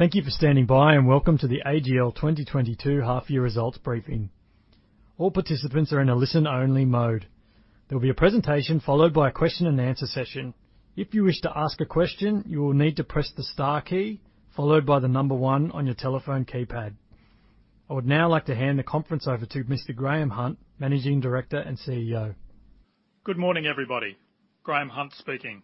Thank you for standing by, and welcome to the AGL 2022 half year results briefing. All participants are in a listen-only mode. There will be a presentation followed by a question-and-answer session. If you wish to ask a question, you will need to press the star key, followed by the number one on your telephone keypad. I would now like to hand the conference over to Mr. Graeme Hunt, Managing Director and CEO. Good morning, everybody. Graeme Hunt speaking.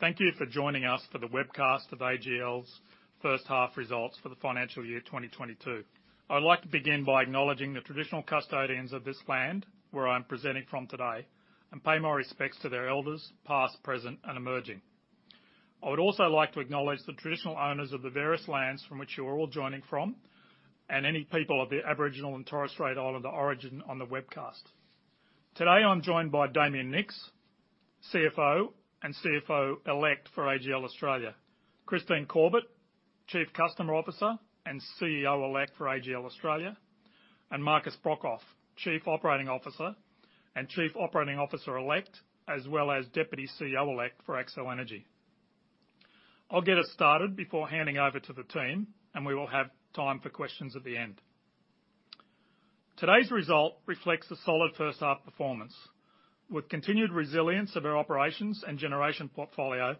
Thank you for joining us for the webcast of AGL's first half results for the financial year 2022. I'd like to begin by acknowledging the traditional custodians of this land where I'm presenting from today and pay my respects to their elders, past, present, and emerging. I would also like to acknowledge the traditional owners of the various lands from which you are all joining from, and any people of the Aboriginal and Torres Strait Islander origin on the webcast. Today, I'm joined by Damien Nicks, CFO and CFO-Elect for AGL Australia, Christine Corbett, Chief Customer Officer and CEO-Elect for AGL Australia, and Markus Brokhof, Chief Operating Officer and Chief Operating Officer-Elect, as well as Deputy CEO-Elect for Accel Energy. I'll get us started before handing over to the team, and we will have time for questions at the end. Today's result reflects a solid first half performance, with continued resilience of our operations and generation portfolio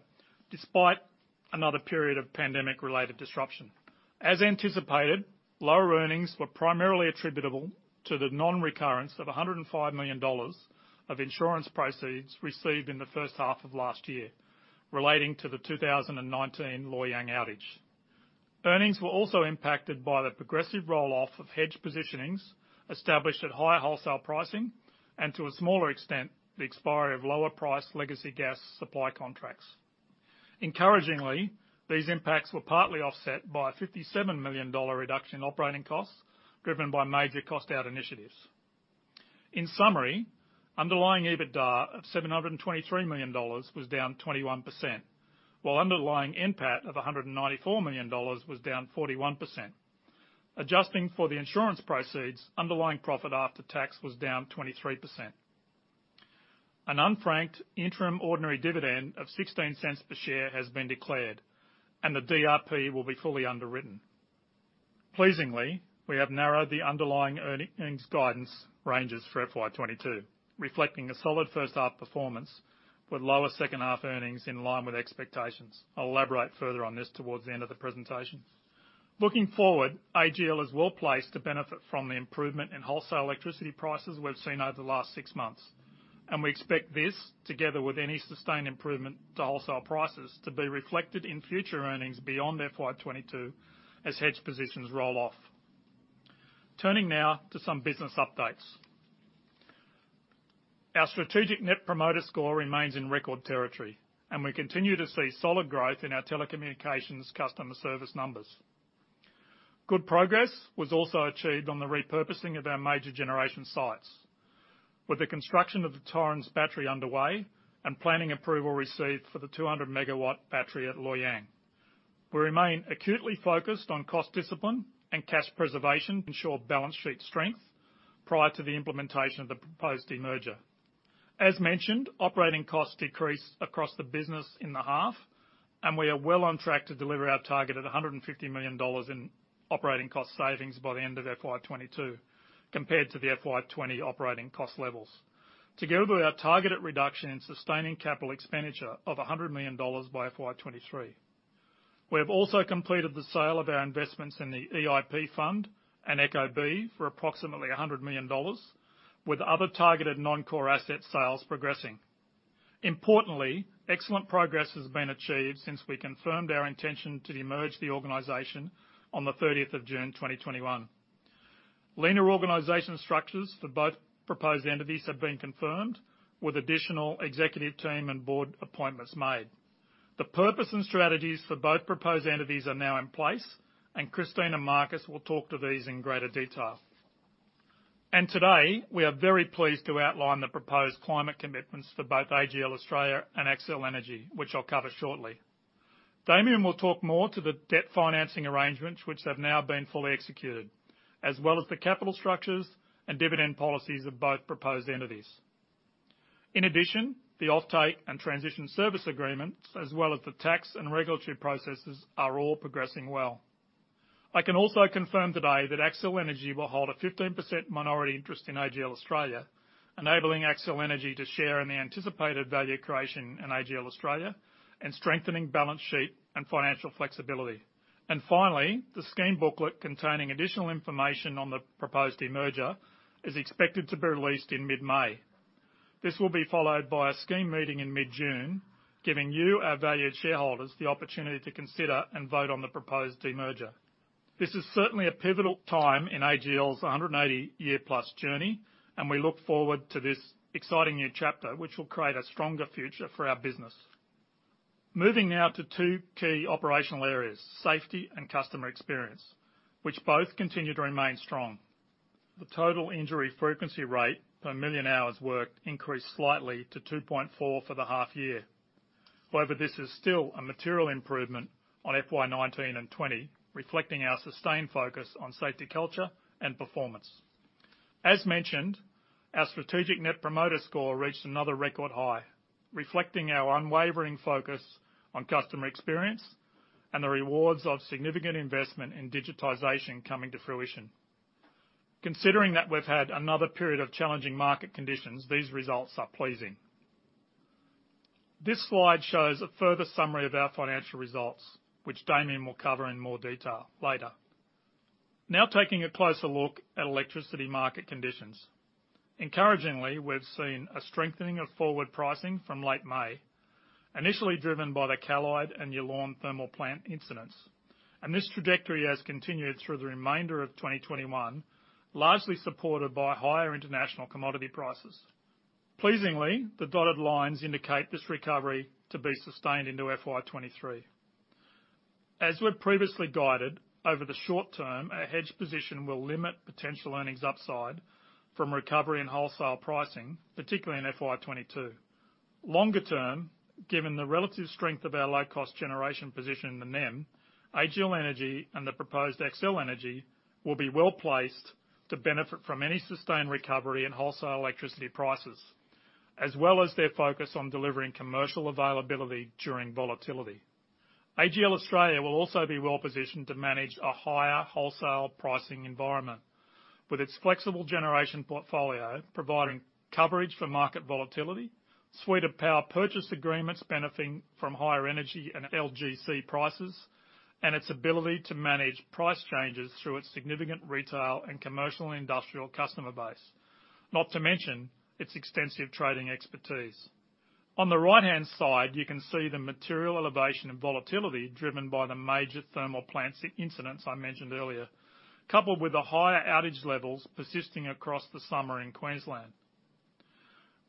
despite another period of pandemic-related disruption. As anticipated, lower earnings were primarily attributable to the nonrecurrence of 105 million dollars of insurance proceeds received in the first half of last year, relating to the 2019 Loy Yang outage. Earnings were also impacted by the progressive roll-off of hedge positionings established at higher wholesale pricing and, to a smaller extent, the expiry of lower price legacy gas supply contracts. Encouragingly, these impacts were partly offset by a 57 million dollar reduction in operating costs, driven by major cost out initiatives. In summary, underlying EBITDA of 723 million dollars was down 21%, while underlying NPAT of 194 million dollars was down 41%. Adjusting for the insurance proceeds, underlying profit after tax was down 23%. An unfranked interim ordinary dividend of 0.16 per share has been declared, and the DRP will be fully underwritten. Pleasingly, we have narrowed the underlying earnings guidance ranges for FY 2022, reflecting a solid first half performance with lower second half earnings in line with expectations. I'll elaborate further on this towards the end of the presentation. Looking forward, AGL is well-placed to benefit from the improvement in wholesale electricity prices we've seen over the last six months, and we expect this, together with any sustained improvement to wholesale prices, to be reflected in future earnings beyond FY 2022 as hedge positions roll off. Turning now to some business updates. Our strategic net promoter score remains in record territory, and we continue to see solid growth in our telecommunications customer service numbers. Good progress was also achieved on the repurposing of our major generation sites, with the construction of the Torrens battery underway and planning approval received for the 200 MW battery at Loy Yang. We remain acutely focused on cost discipline and cash preservation to ensure balance sheet strength prior to the implementation of the proposed demerger. As mentioned, operating costs decreased across the business in the half, and we are well on track to deliver our target of 150 million dollars in operating cost savings by the end of FY 2022 compared to the FY 2020 operating cost levels. Together with our targeted reduction in sustaining capital expenditure of AUD 100 million by FY 2023. We have also completed the sale of our investments in the EIP fund and EcoV for approximately 100 million dollars, with other targeted non-core asset sales progressing. Importantly, excellent progress has been achieved since we confirmed our intention to demerge the organization on the 30th of June 2021. Leaner organization structures for both proposed entities have been confirmed, with additional executive team and board appointments made. The purpose and strategies for both proposed entities are now in place, and Christine and Markus will talk to these in greater detail. Today, we are very pleased to outline the proposed climate commitments for both AGL Australia and Accel Energy, which I'll cover shortly. Damien will talk more to the debt financing arrangements, which have now been fully executed, as well as the capital structures and dividend policies of both proposed entities. In addition, the offtake and transition service agreements, as well as the tax and regulatory processes, are all progressing well. I can also confirm today that Accel Energy will hold a 15% minority interest in AGL Australia, enabling Accel Energy to share in the anticipated value creation in AGL Australia and strengthening balance sheet and financial flexibility. Finally, the scheme booklet containing additional information on the proposed demerger is expected to be released in mid-May. This will be followed by a scheme meeting in mid-June, giving you, our valued shareholders, the opportunity to consider and vote on the proposed demerger. This is certainly a pivotal time in AGL's 180-year-plus journey, and we look forward to this exciting new chapter, which will create a stronger future for our business. Moving now to two key operational areas, safety and customer experience, which both continue to remain strong. The total injury frequency rate per million hours worked increased slightly to 2.4 for the half year. However, this is still a material improvement on FY 2019 and FY 2020, reflecting our sustained focus on safety culture and performance. As mentioned, our strategic net promoter score reached another record high, reflecting our unwavering focus on customer experience and the rewards of significant investment in digitization coming to fruition. Considering that we've had another period of challenging market conditions, these results are pleasing. This slide shows a further summary of our financial results, which Damien will cover in more detail later. Now taking a closer look at electricity market conditions. Encouragingly, we've seen a strengthening of forward pricing from late May, initially driven by the Callide and Yallourn thermal plant incidents, and this trajectory has continued through the remainder of 2021, largely supported by higher international commodity prices. Pleasingly, the dotted lines indicate this recovery to be sustained into FY 2023. As we've previously guided, over the short term, our hedge position will limit potential earnings upside from recovery and wholesale pricing, particularly in FY 2022. Longer term, given the relative strength of our low-cost generation position in the NEM, AGL Energy and the proposed Accel Energy will be well-placed to benefit from any sustained recovery in wholesale electricity prices, as well as their focus on delivering commercial availability during volatility. AGL Australia will also be well-positioned to manage a higher wholesale pricing environment with its flexible generation portfolio, providing coverage for market volatility, suite of power purchase agreements benefiting from higher energy and LGC prices, and its ability to manage price changes through its significant retail and commercial industrial customer base, not to mention its extensive trading expertise. On the right-hand side, you can see the material elevation and volatility driven by the major thermal plant incidence I mentioned earlier, coupled with the higher outage levels persisting across the summer in Queensland.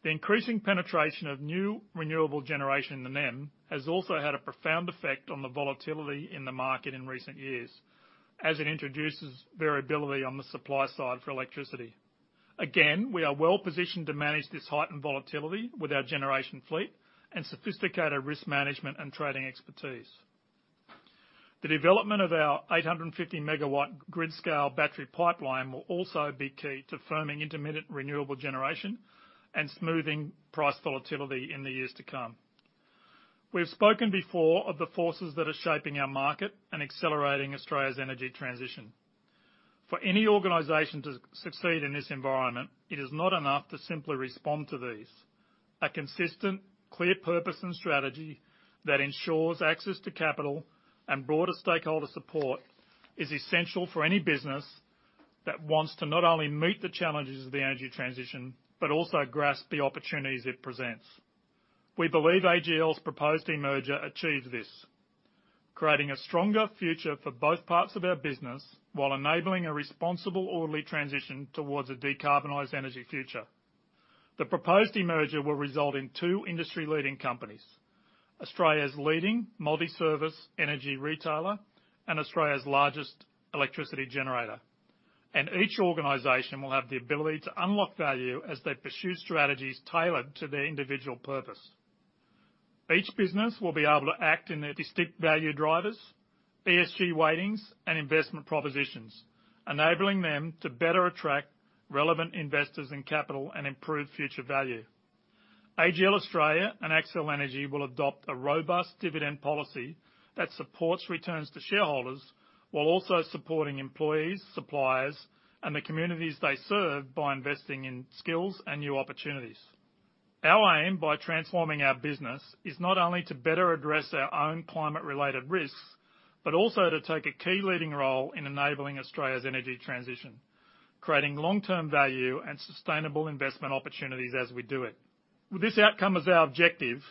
The increasing penetration of new renewable generation in the NEM has also had a profound effect on the volatility in the market in recent years as it introduces variability on the supply side for electricity. Again, we are well-positioned to manage this heightened volatility with our generation fleet and sophisticated risk management and trading expertise. The development of our 850 MW grid scale battery pipeline will also be key to firming intermittent renewable generation and smoothing price volatility in the years to come. We've spoken before of the forces that are shaping our market and accelerating Australia's energy transition. For any organization to succeed in this environment, it is not enough to simply respond to these. A consistent, clear purpose and strategy that ensures access to capital and broader stakeholder support is essential for any business that wants to not only meet the challenges of the energy transition but also grasp the opportunities it presents. We believe AGL's proposed demerger achieves this, creating a stronger future for both parts of our business while enabling a responsible, orderly transition towards a decarbonized energy future. The proposed demerger will result in two industry-leading companies, Australia's leading multi-service energy retailer and Australia's largest electricity generator, and each organization will have the ability to unlock value as they pursue strategies tailored to their individual purpose. Each business will be able to act in their distinct value drivers, ESG weightings, and investment propositions, enabling them to better attract relevant investors and capital and improve future value. AGL Australia and Accel Energy will adopt a robust dividend policy that supports returns to shareholders while also supporting employees, suppliers, and the communities they serve by investing in skills and new opportunities. Our aim by transforming our business is not only to better address our own climate-related risks, but also to take a key leading role in enabling Australia's energy transition, creating long-term value and sustainable investment opportunities as we do it. With this outcome as our objective,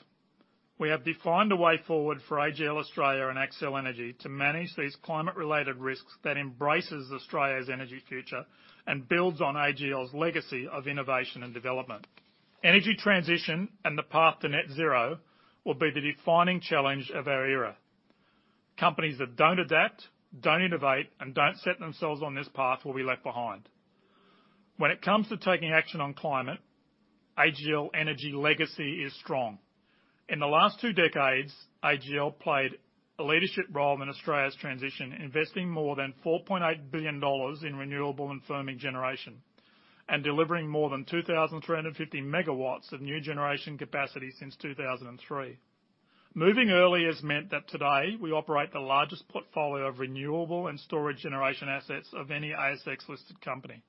we have defined a way forward for AGL Australia and Accel Energy to manage these climate-related risks that embraces Australia's energy future and builds on AGL's legacy of innovation and development. Energy transition and the path to net zero will be the defining challenge of our era. Companies that don't adapt, don't innovate, and don't set themselves on this path will be left behind. When it comes to taking action on climate, AGL Energy legacy is strong. In the last two decades, AGL played a leadership role in Australia's transition, investing more than 4.8 billion dollars in renewable and firming generation, and delivering more than 2,350 MW of new generation capacity since 2003. Moving early has meant that today we operate the largest portfolio of renewable and storage generation assets of any ASX-listed company.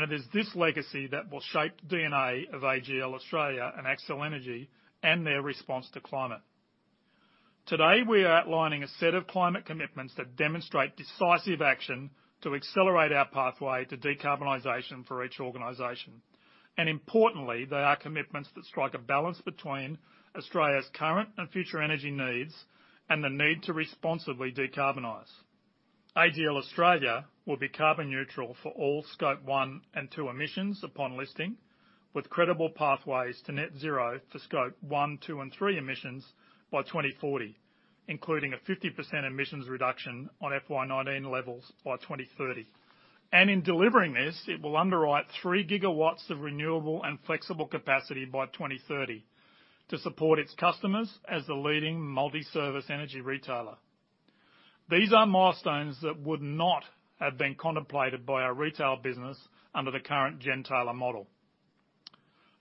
It is this legacy that will shape the DNA of AGL Australia and Accel Energy and their response to climate. Today, we are outlining a set of climate commitments that demonstrate decisive action to accelerate our pathway to decarbonization for each organization. Importantly, they are commitments that strike a balance between Australia's current and future energy needs and the need to responsibly decarbonize. AGL Australia will be carbon neutral for all scope 1 and 2 emissions upon listing, with credible pathways to net zero for scope 1, 2, and 3 emissions by 2040, including a 50% emissions reduction on FY 2019 levels by 2030. In delivering this, it will underwrite 3 GW of renewable and flexible capacity by 2030 to support its customers as the leading multi-service energy retailer. These are milestones that would not have been contemplated by our retail business under the current gentailer model.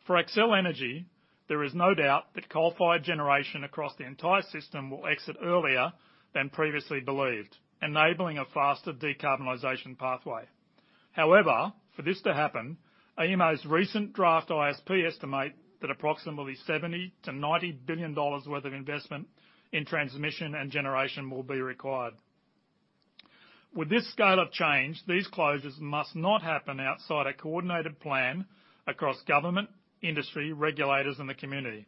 For Accel Energy, there is no doubt that coal-fired generation across the entire system will exit earlier than previously believed, enabling a faster decarbonization pathway. However, for this to happen, AEMO's recent draft ISP estimate that approximately 70 billion-90 billion dollars worth of investment in transmission and generation will be required. With this scale of change, these closures must not happen outside a coordinated plan across government, industry, regulators, and the community.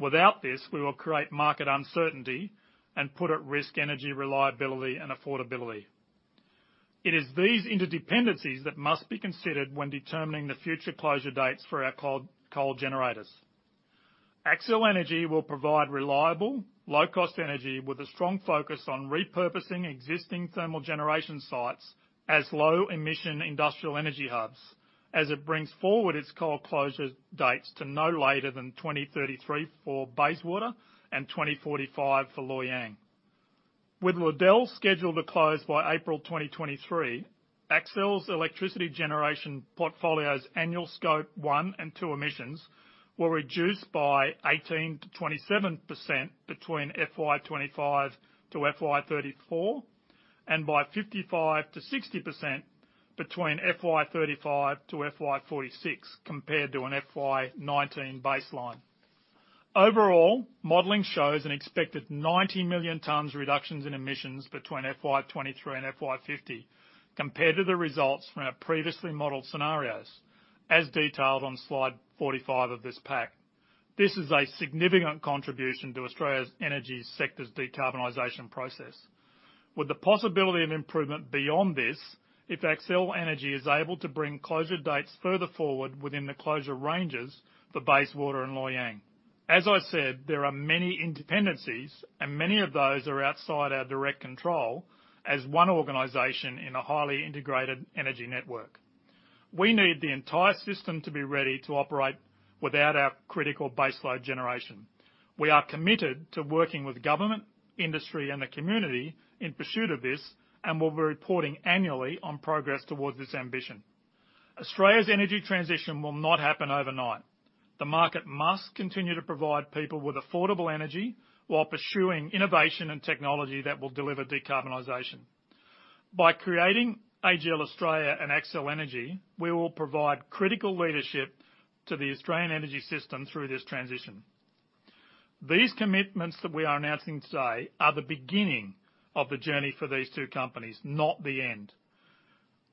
Without this, we will create market uncertainty and put at risk energy reliability and affordability. It is these interdependencies that must be considered when determining the future closure dates for our coal generators. Accel Energy will provide reliable, low-cost energy with a strong focus on repurposing existing thermal generation sites as low-emission industrial energy hubs as it brings forward its coal closure dates to no later than 2033 for Bayswater and 2045 for Loy Yang. With Liddell scheduled to close by April 2023, Accel's electricity generation portfolio's annual scope 1 and 2 emissions will reduce by 18%-27% between FY 2025 to FY 2034 and by 55%-60% between FY 2035 to FY 2046 compared to an FY 2019 baseline. Overall, modeling shows an expected 90 million tons reductions in emissions between FY 2023 and FY 2050 compared to the results from our previously modeled scenarios, as detailed on slide 45 of this pack. This is a significant contribution to Australia's energy sector's decarbonization process. With the possibility of improvement beyond this, if Accel Energy is able to bring closure dates further forward within the closure ranges for Bayswater and Loy Yang. As I said, there are many interdependencies, and many of those are outside our direct control as one organization in a highly integrated energy network. We need the entire system to be ready to operate without our critical baseload generation. We are committed to working with government, industry, and the community in pursuit of this, and we'll be reporting annually on progress towards this ambition. Australia's energy transition will not happen overnight. The market must continue to provide people with affordable energy while pursuing innovation and technology that will deliver decarbonization. By creating AGL Australia and Accel Energy, we will provide critical leadership to the Australian energy system through this transition. These commitments that we are announcing today are the beginning of the journey for these two companies, not the end.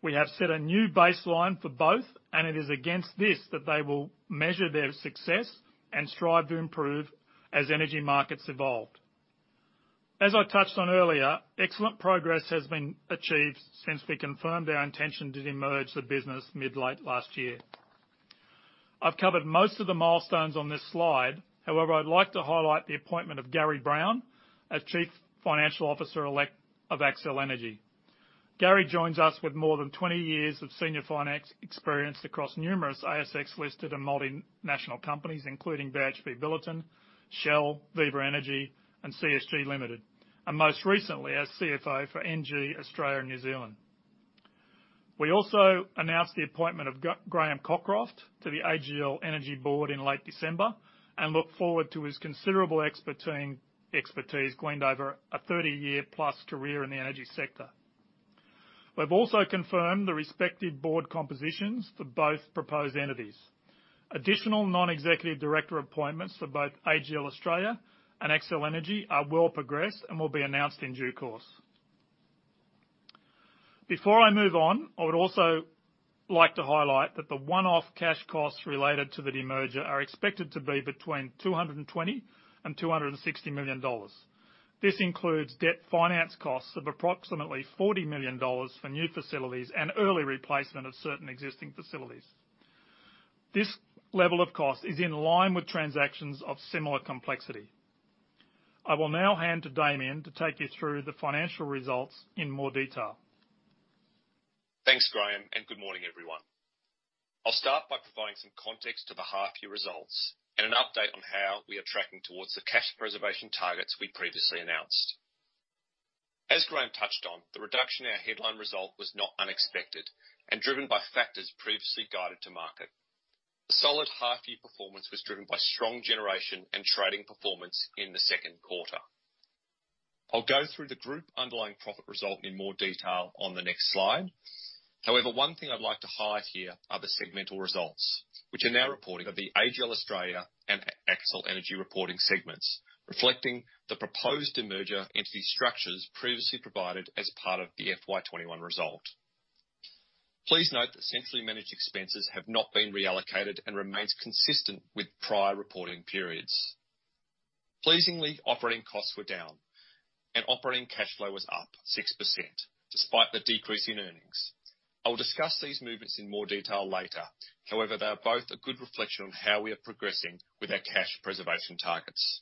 We have set a new baseline for both, and it is against this that they will measure their success and strive to improve as energy markets evolve. As I touched on earlier, excellent progress has been achieved since we confirmed our intention to demerge the business mid-late last year. I've covered most of the milestones on this slide. However, I'd like to highlight the appointment of Garry Brown as Chief Financial Officer Elect of Accel Energy. Garry joins us with more than 20 years of senior finance experience across numerous ASX-listed and multinational companies, including BHP Billiton, Shell, Viva Energy, and CSG Limited, and most recently as CFO for ENGIE Australia and New Zealand. We also announced the appointment of Graham Cockroft to the AGL Energy Board in late December and look forward to his considerable expertise gleaned over a 30-year-plus career in the energy sector. We've also confirmed the respective board compositions for both proposed entities. Additional non-executive director appointments for both AGL Australia and Accel Energy are well progressed and will be announced in due course. Before I move on, I would also like to highlight that the one-off cash costs related to the demerger are expected to be between 220 million and 260 million dollars. This includes debt finance costs of approximately 40 million dollars for new facilities and early replacement of certain existing facilities. This level of cost is in line with transactions of similar complexity. I will now hand to Damien to take you through the financial results in more detail. Thanks, Graeme, and good morning, everyone. I'll start by providing some context to the half year results and an update on how we are tracking towards the cash preservation targets we previously announced. As Graeme touched on, the reduction in our headline result was not unexpected and driven by factors previously guided to market. The solid half year performance was driven by strong generation and trading performance in the second quarter. I'll go through the group underlying profit result in more detail on the next slide. However, one thing I'd like to highlight here are the segmental results, which are now reporting of the AGL Australia and Accel Energy reporting segments, reflecting the proposed demerger entity structures previously provided as part of the FY 2021 result. Please note that centrally managed expenses have not been reallocated and remains consistent with prior reporting periods. Pleasingly, operating costs were down, and operating cash flow was up 6% despite the decrease in earnings. I will discuss these movements in more detail later. However, they are both a good reflection on how we are progressing with our cash preservation targets.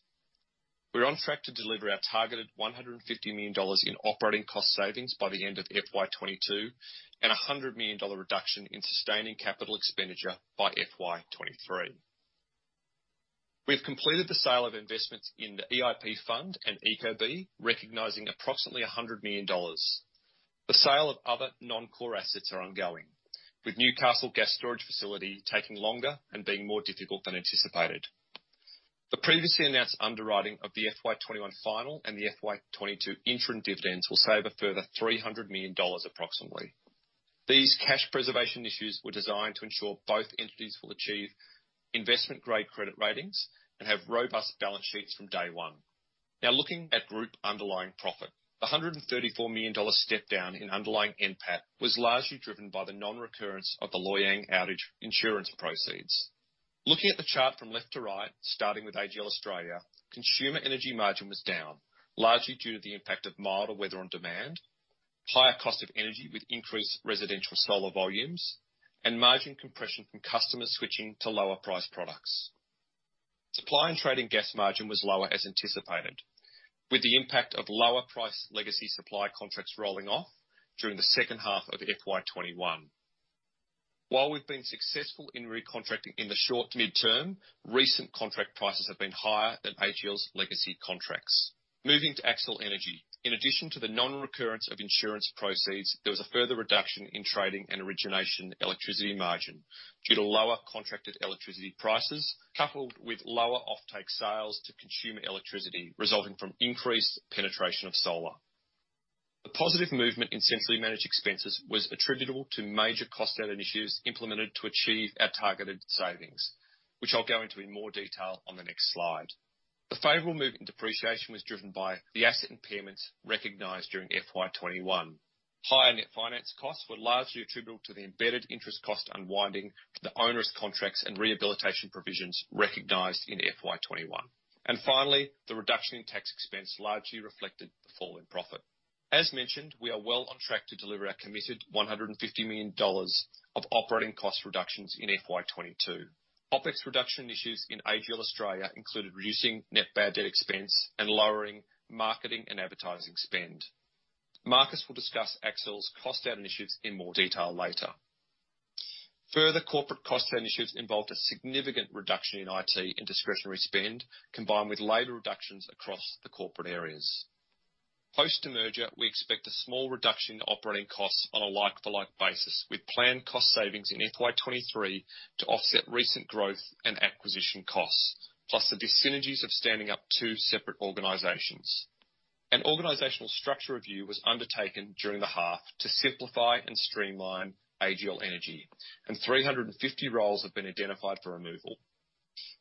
We're on track to deliver our targeted 150 million dollars in operating cost savings by the end of FY 2022 and 100 million dollar reduction in sustaining capital expenditure by FY 2023. We've completed the sale of investments in the EIP fund and EcoV, recognizing approximately 100 million dollars. The sale of other non-core assets are ongoing, with Newcastle Gas Storage facility taking longer and being more difficult than anticipated. The previously announced underwriting of the FY 2021 final and the FY 2022 interim dividends will save a further approximately 300 million dollars. These cash preservation issues were designed to ensure both entities will achieve investment-grade credit ratings and have robust balance sheets from day one. Now looking at group underlying profit. 134 million dollars step down in underlying NPAT was largely driven by the non-recurrence of the Loy Yang outage insurance proceeds. Looking at the chart from left to right, starting with AGL Australia, consumer energy margin was down, largely due to the impact of milder weather on demand, higher cost of energy with increased residential solar volumes, and margin compression from customers switching to lower-priced products. Supply and trading gas margin was lower as anticipated, with the impact of lower price legacy supply contracts rolling off during the second half of FY 2021. While we've been successful in recontracting in the short to mid-term, recent contract prices have been higher than AGL's legacy contracts. Moving to Accel Energy. In addition to the non-recurrence of insurance proceeds, there was a further reduction in trading and origination electricity margin due to lower contracted electricity prices, coupled with lower offtake sales to consumers resulting from increased penetration of solar. The positive movement in centrally managed expenses was attributable to major cost-out initiatives implemented to achieve our targeted savings, which I'll go into in more detail on the next slide. The favorable move in depreciation was driven by the asset impairments recognized during FY 2021. Higher net finance costs were largely attributable to the unwinding of embedded interest costs on the onerous contracts and rehabilitation provisions recognized in FY 2021. Finally, the reduction in tax expense largely reflected the fall in profit. As mentioned, we are well on track to deliver our committed 150 million dollars of operating cost reductions in FY 2022. OpEx reduction initiatives in AGL Australia included reducing net bad debt expense and lowering marketing and advertising spend. Markus will discuss Accel's cost-out initiatives in more detail later. Further corporate cost-out initiatives involved a significant reduction in IT and discretionary spend, combined with labor reductions across the corporate areas. Post demerger, we expect a small reduction in operating costs on a like-for-like basis, with planned cost savings in FY 2023 to offset recent growth and acquisition costs, plus the dyssynergies of standing up two separate organizations. An organizational structure review was undertaken during the half to simplify and streamline AGL Energy, and 350 roles have been identified for removal.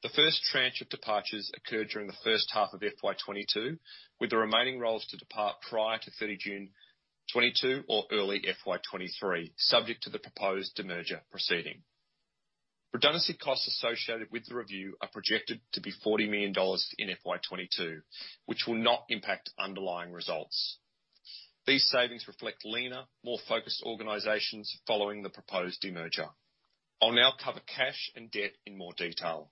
The first tranche of departures occurred during the first half of FY 2022, with the remaining roles to depart prior to 30 June 2022 or early FY 2023, subject to the proposed demerger proceeding. Redundancy costs associated with the review are projected to be 40 million dollars in FY 2022, which will not impact underlying results. These savings reflect leaner, more focused organizations following the proposed demerger. I'll now cover cash and debt in more detail.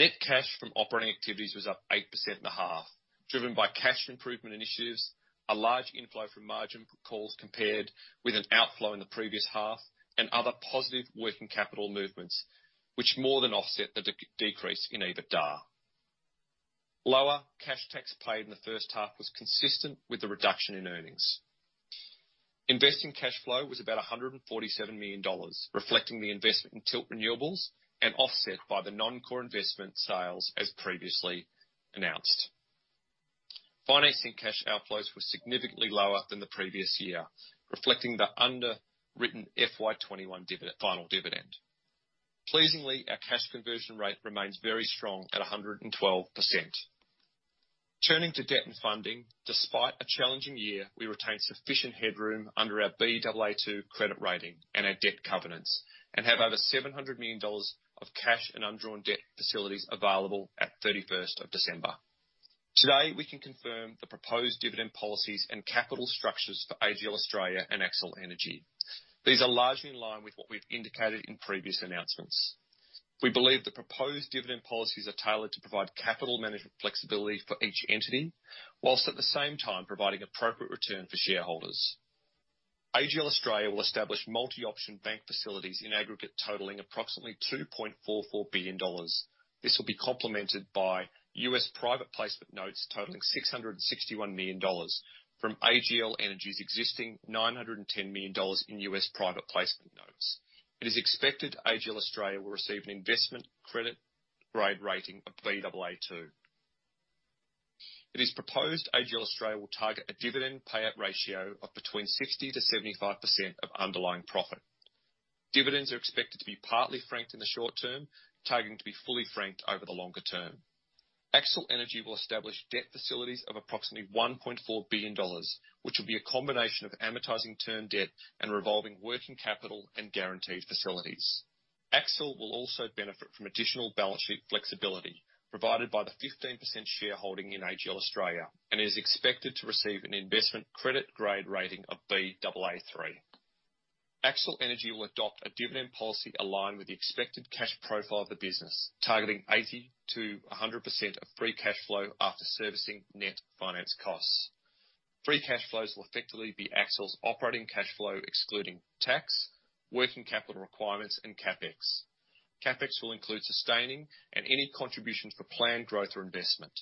Net cash from operating activities was up 8% in the half, driven by cash improvement initiatives, a large inflow from margin calls compared with an outflow in the previous half, and other positive working capital movements, which more than offset the decrease in EBITDA. Lower cash tax paid in the first half was consistent with the reduction in earnings. Investing cash flow was about 147 million dollars, reflecting the investment in Tilt Renewables and offset by the non-core investment sales as previously announced. Financing cash outflows were significantly lower than the previous year, reflecting the underwritten FY 2021 final dividend. Pleasingly, our cash conversion rate remains very strong at 112%. Turning to debt and funding. Despite a challenging year, we retain sufficient headroom under our Baa2 credit rating and our debt covenants, and have over 700 million dollars of cash and undrawn debt facilities available at 31st of December. Today, we can confirm the proposed dividend policies and capital structures for AGL Australia and Accel Energy. These are largely in line with what we've indicated in previous announcements. We believe the proposed dividend policies are tailored to provide capital management flexibility for each entity, while at the same time providing appropriate return for shareholders. AGL Australia will establish multi-option bank facilities in aggregate totaling approximately 2.44 billion dollars. This will be complemented by U.S. private placement notes totaling $661 million from AGL Energy's existing $910 million in U.S. private placement notes. It is expected AGL Australia will receive an investment grade credit rating of Baa2. It is proposed AGL Australia will target a dividend payout ratio of between 60%-75% of underlying profit. Dividends are expected to be partly franked in the short term, targeting to be fully franked over the longer term. Accel Energy will establish debt facilities of approximately 1.4 billion dollars, which will be a combination of amortizing term debt and revolving working capital and guaranteed facilities. Accel will also benefit from additional balance sheet flexibility provided by the 15% shareholding in AGL Australia and is expected to receive an investment grade credit rating of Baa3. Accel Energy will adopt a dividend policy aligned with the expected cash profile of the business, targeting 80%-100% of free cash flow after servicing net finance costs. Free cash flows will effectively be Accel’s operating cash flow, excluding tax, working capital requirements and CapEx. CapEx will include sustaining and any contributions for planned growth or investment.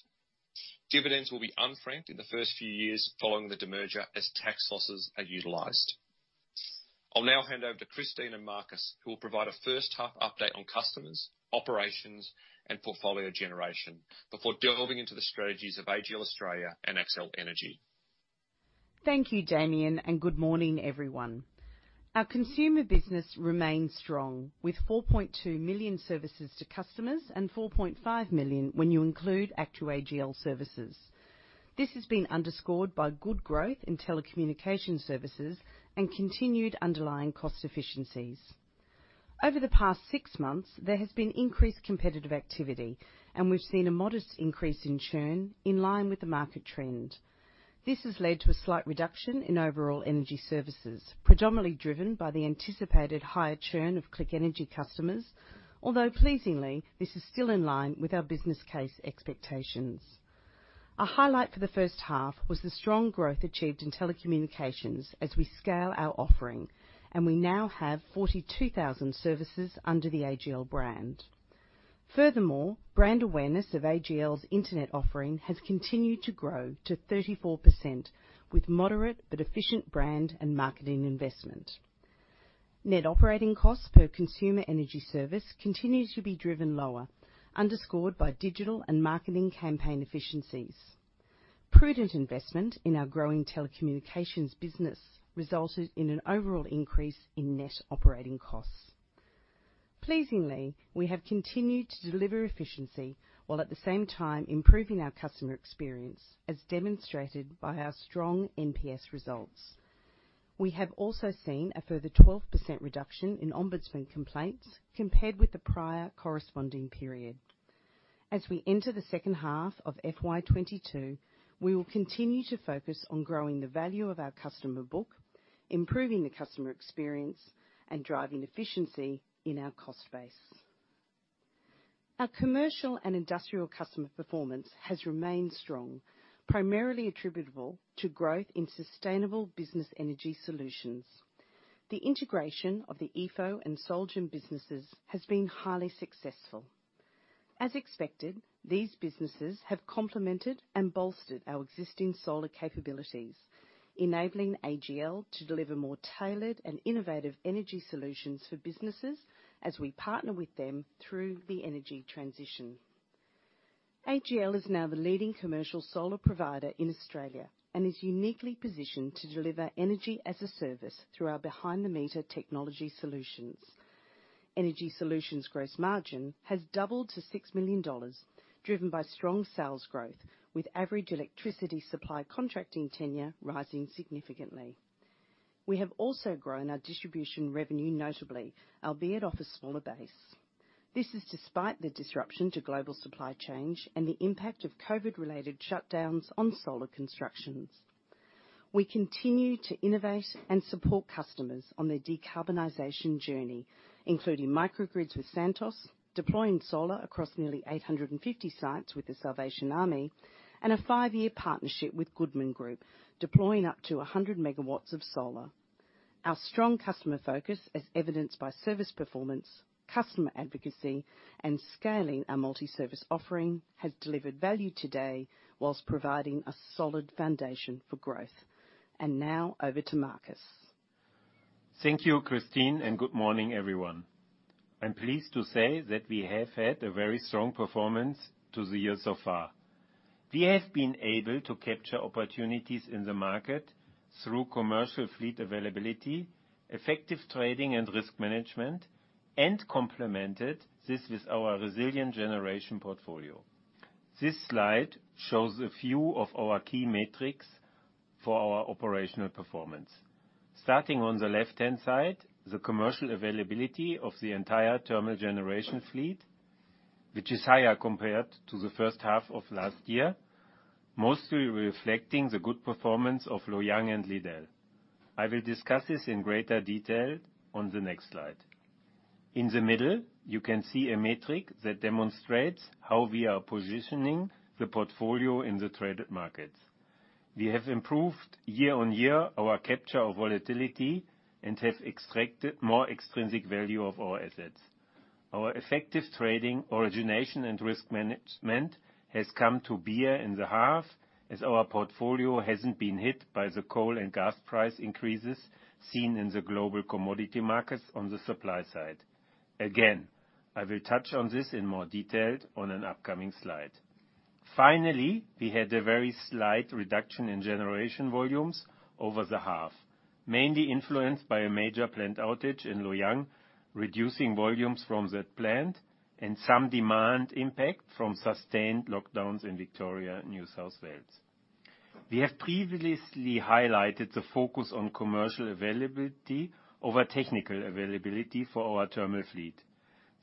Dividends will be unfranked in the first few years following the demerger as tax losses are utilized. I'll now hand over to Christine and Markus, who will provide a first half update on customers, operations, and portfolio generation before delving into the strategies of AGL Australia and Accel Energy. Thank you, Damien, and good morning, everyone. Our consumer business remains strong, with 4.2 million services to customers and 4.5 million when you include ActewAGL services. This has been underscored by good growth in telecommunications services and continued underlying cost efficiencies. Over the past six months, there has been increased competitive activity, and we've seen a modest increase in churn in line with the market trend. This has led to a slight reduction in overall energy services, predominantly driven by the anticipated higher churn of Click Energy customers, although pleasingly, this is still in line with our business case expectations. A highlight for the first half was the strong growth achieved in telecommunications as we scale our offering, and we now have 42,000 services under the AGL brand. Furthermore, brand awareness of AGL's internet offering has continued to grow to 34% with moderate but efficient brand and marketing investment. Net operating costs per consumer energy service continues to be driven lower, underscored by digital and marketing campaign efficiencies. Prudent investment in our growing telecommunications business resulted in an overall increase in net operating costs. Pleasingly, we have continued to deliver efficiency while at the same time improving our customer experience, as demonstrated by our strong NPS results. We have also seen a further 12% reduction in ombudsman complaints compared with the prior corresponding period. As we enter the second half of FY 2022, we will continue to focus on growing the value of our customer book, improving the customer experience, and driving efficiency in our cost base. Our commercial and industrial customer performance has remained strong, primarily attributable to growth in sustainable business energy solutions. The integration of the Epho and Solgen businesses has been highly successful. As expected, these businesses have complemented and bolstered our existing solar capabilities, enabling AGL to deliver more tailored and innovative energy solutions for businesses as we partner with them through the energy transition. AGL is now the leading commercial solar provider in Australia and is uniquely positioned to deliver energy-as-a-service through our behind the meter technology solutions. Energy Solutions gross margin has doubled to AUD 6 million, driven by strong sales growth with average electricity supply contracting tenure rising significantly. We have also grown our distribution revenue notably, albeit off a smaller base. This is despite the disruption to global supply chain and the impact of COVID-related shutdowns on solar constructions. We continue to innovate and support customers on their decarbonization journey, including microgrids with Santos, deploying solar across nearly 850 sites with the Salvation Army, and a five-year partnership with Goodman Group, deploying up to 100 MW of solar. Our strong customer focus, as evidenced by service performance, customer advocacy, and scaling our multi-service offering, has delivered value today while providing a solid foundation for growth. Now over to Markus. Thank you, Christine, and good morning, everyone. I'm pleased to say that we have had a very strong performance through the year so far. We have been able to capture opportunities in the market through commercial fleet availability, effective trading and risk management, and complemented this with our resilient generation portfolio. This slide shows a few of our key metrics for our operational performance. Starting on the left-hand side, the commercial availability of the entire thermal generation fleet, which is higher compared to the first half of last year, mostly reflecting the good performance of Loy Yang and Liddell. I will discuss this in greater detail on the next slide. In the middle, you can see a metric that demonstrates how we are positioning the portfolio in the traded markets. We have improved year-on-year our capture of volatility and have extracted more extrinsic value of our assets. Our effective trading, origination, and risk management has come to bear in the half as our portfolio hasn't been hit by the coal and gas price increases seen in the global commodity markets on the supply side. Again, I will touch on this in more detail on an upcoming slide. Finally, we had a very slight reduction in generation volumes over the half, mainly influenced by a major plant outage in Loy Yang, reducing volumes from that plant and some demand impact from sustained lockdowns in Victoria and New South Wales. We have previously highlighted the focus on commercial availability over technical availability for our terminal fleet.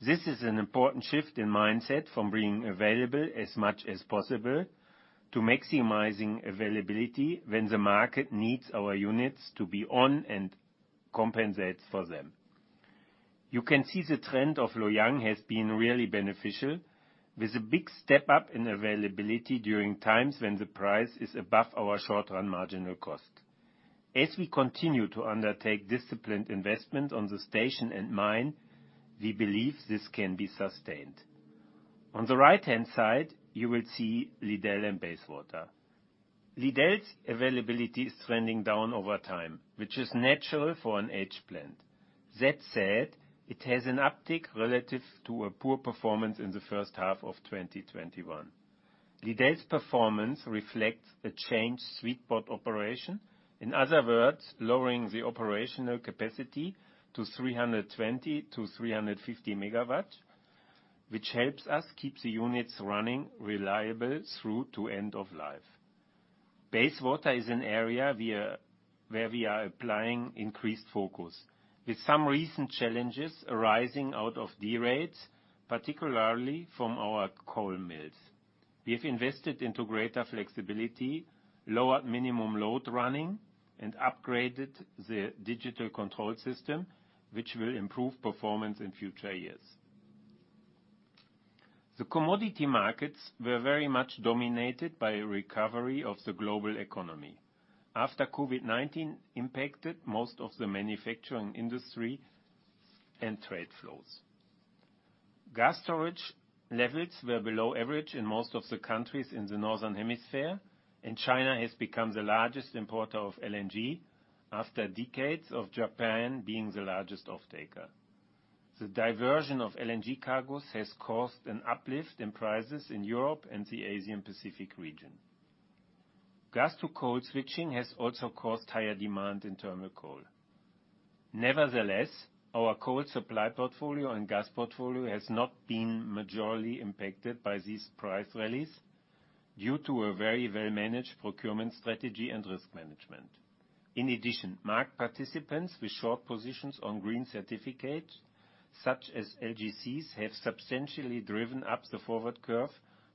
This is an important shift in mindset from being available as much as possible to maximizing availability when the market needs our units to be on and compensates for them. You can see the trend of Loy Yang has been really beneficial with a big step up in availability during times when the price is above our short-run marginal cost. As we continue to undertake disciplined investment on the station and mine, we believe this can be sustained. On the right-hand side, you will see Liddell and Bayswater. Liddell's availability is trending down over time, which is natural for an aged plant. That said, it has an uptick relative to a poor performance in the first half of 2021. Liddell's performance reflects a changed sweet spot operation. In other words, lowering the operational capacity to 320-350 MW, which helps us keep the units running reliable through to end of life. Bayswater is an area where we are applying increased focus. With some recent challenges arising out of derates, particularly from our coal mills, we have invested into greater flexibility, lower minimum load running, and upgraded the digital control system, which will improve performance in future years. The commodity markets were very much dominated by a recovery of the global economy after COVID-19 impacted most of the manufacturing industry and trade flows. Gas storage levels were below average in most of the countries in the northern hemisphere, and China has become the largest importer of LNG after decades of Japan being the largest off-taker. The diversion of LNG cargoes has caused an uplift in prices in Europe and the Asia Pacific region. Gas to coal switching has also caused higher demand in thermal coal. Nevertheless, our coal supply portfolio and gas portfolio has not been majorly impacted by these price rallies due to a very well-managed procurement strategy and risk management. In addition, market participants with short positions on green certificates, such as LGCs, have substantially driven up the forward curve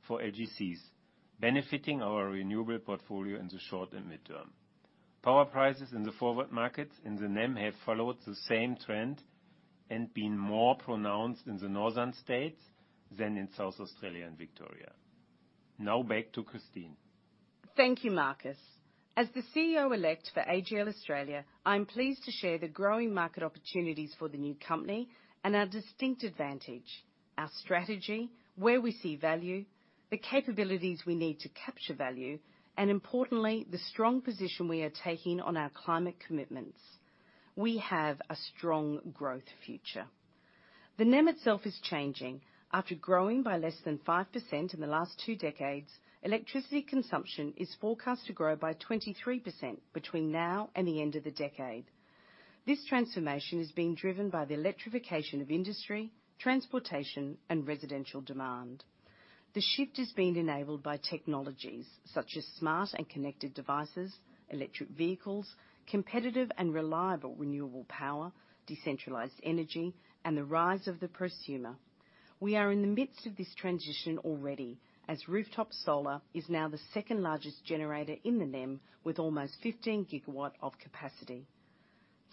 for LGCs, benefiting our renewable portfolio in the short and mid-term. Power prices in the forward market in the NEM have followed the same trend and been more pronounced in the northern states than in South Australia and Victoria. Now back to Christine. Thank you, Markus. As the CEO-elect for AGL Australia, I'm pleased to share the growing market opportunities for the new company and our distinct advantage, our strategy, where we see value, the capabilities we need to capture value, and importantly, the strong position we are taking on our climate commitments. We have a strong growth future. The NEM itself is changing. After growing by less than 5% in the last two decades, electricity consumption is forecast to grow by 23% between now and the end of the decade. This transformation is being driven by the electrification of industry, transportation, and residential demand. The shift is being enabled by technologies such as smart and connected devices, electric vehicles, competitive and reliable renewable power, decentralized energy, and the rise of the prosumer. We are in the midst of this transition already as rooftop solar is now the second-largest generator in the NEM with almost 15 GW of capacity.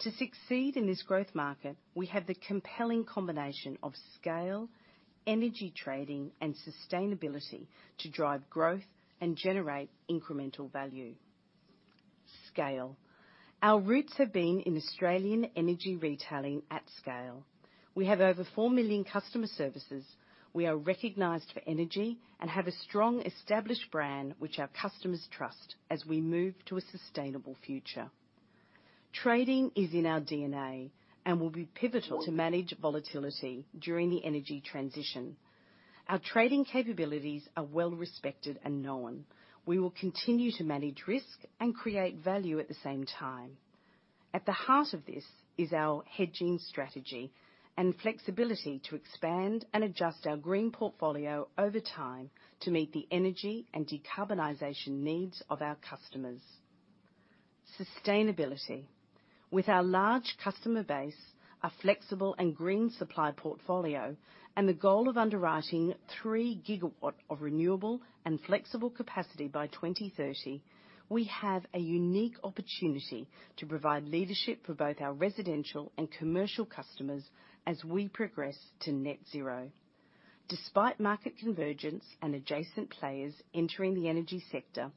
To succeed in this growth market, we have the compelling combination of scale, energy trading, and sustainability to drive growth and generate incremental value. Scale. Our roots have been in Australian energy retailing at scale. We have over 4 million customer services. We are recognized for energy and have a strong established brand which our customers trust as we move to a sustainable future. Trading is in our DNA and will be pivotal to manage volatility during the energy transition. Our trading capabilities are well-respected and known. We will continue to manage risk and create value at the same time. At the heart of this is our hedging strategy and flexibility to expand and adjust our green portfolio over time to meet the energy and decarbonization needs of our customers. Sustainability. With our large customer base, our flexible and green supply portfolio, and the goal of underwriting 3 GW of renewable and flexible capacity by 2030, we have a unique opportunity to provide leadership for both our residential and commercial customers as we progress to net zero. Despite market convergence and adjacent players entering the energy sector,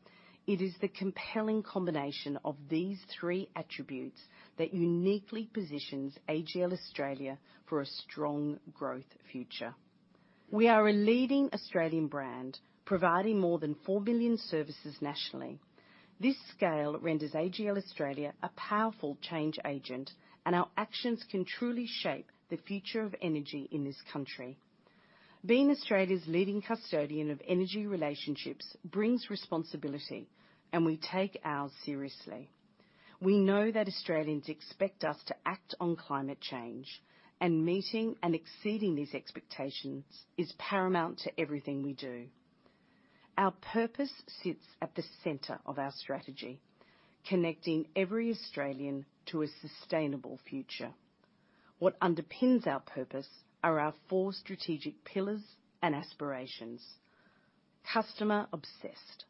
it is the compelling combination of these three attributes that uniquely positions AGL Australia for a strong growth future. We are a leading Australian brand providing more than 4 million services nationally. This scale renders AGL Australia a powerful change agent, and our actions can truly shape the future of energy in this country. Being Australia's leading custodian of energy relationships brings responsibility, and we take ours seriously. We know that Australians expect us to act on climate change, and meeting and exceeding these expectations is paramount to everything we do. Our purpose sits at the center of our strategy, connecting every Australian to a sustainable future. What underpins our purpose are our four strategic pillars and aspirations. Customer obsessed.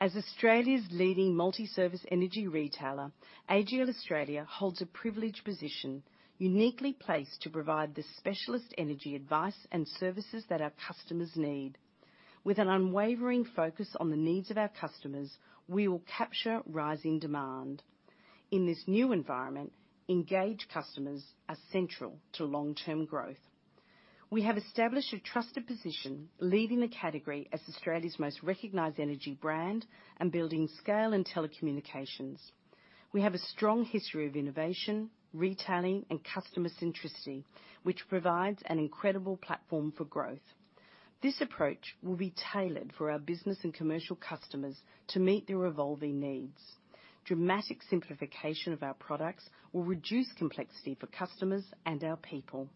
As Australia's leading multi-service energy retailer, AGL Australia holds a privileged position, uniquely placed to provide the specialist energy advice and services that our customers need. With an unwavering focus on the needs of our customers, we will capture rising demand. In this new environment, engaged customers are central to long-term growth. We have established a trusted position, leading the category as Australia's most recognized energy brand and building scale and telecommunications. We have a strong history of innovation, retailing, and customer centricity, which provides an incredible platform for growth. This approach will be tailored for our business and commercial customers to meet their evolving needs. Dramatic simplification of our products will reduce complexity for customers and our people.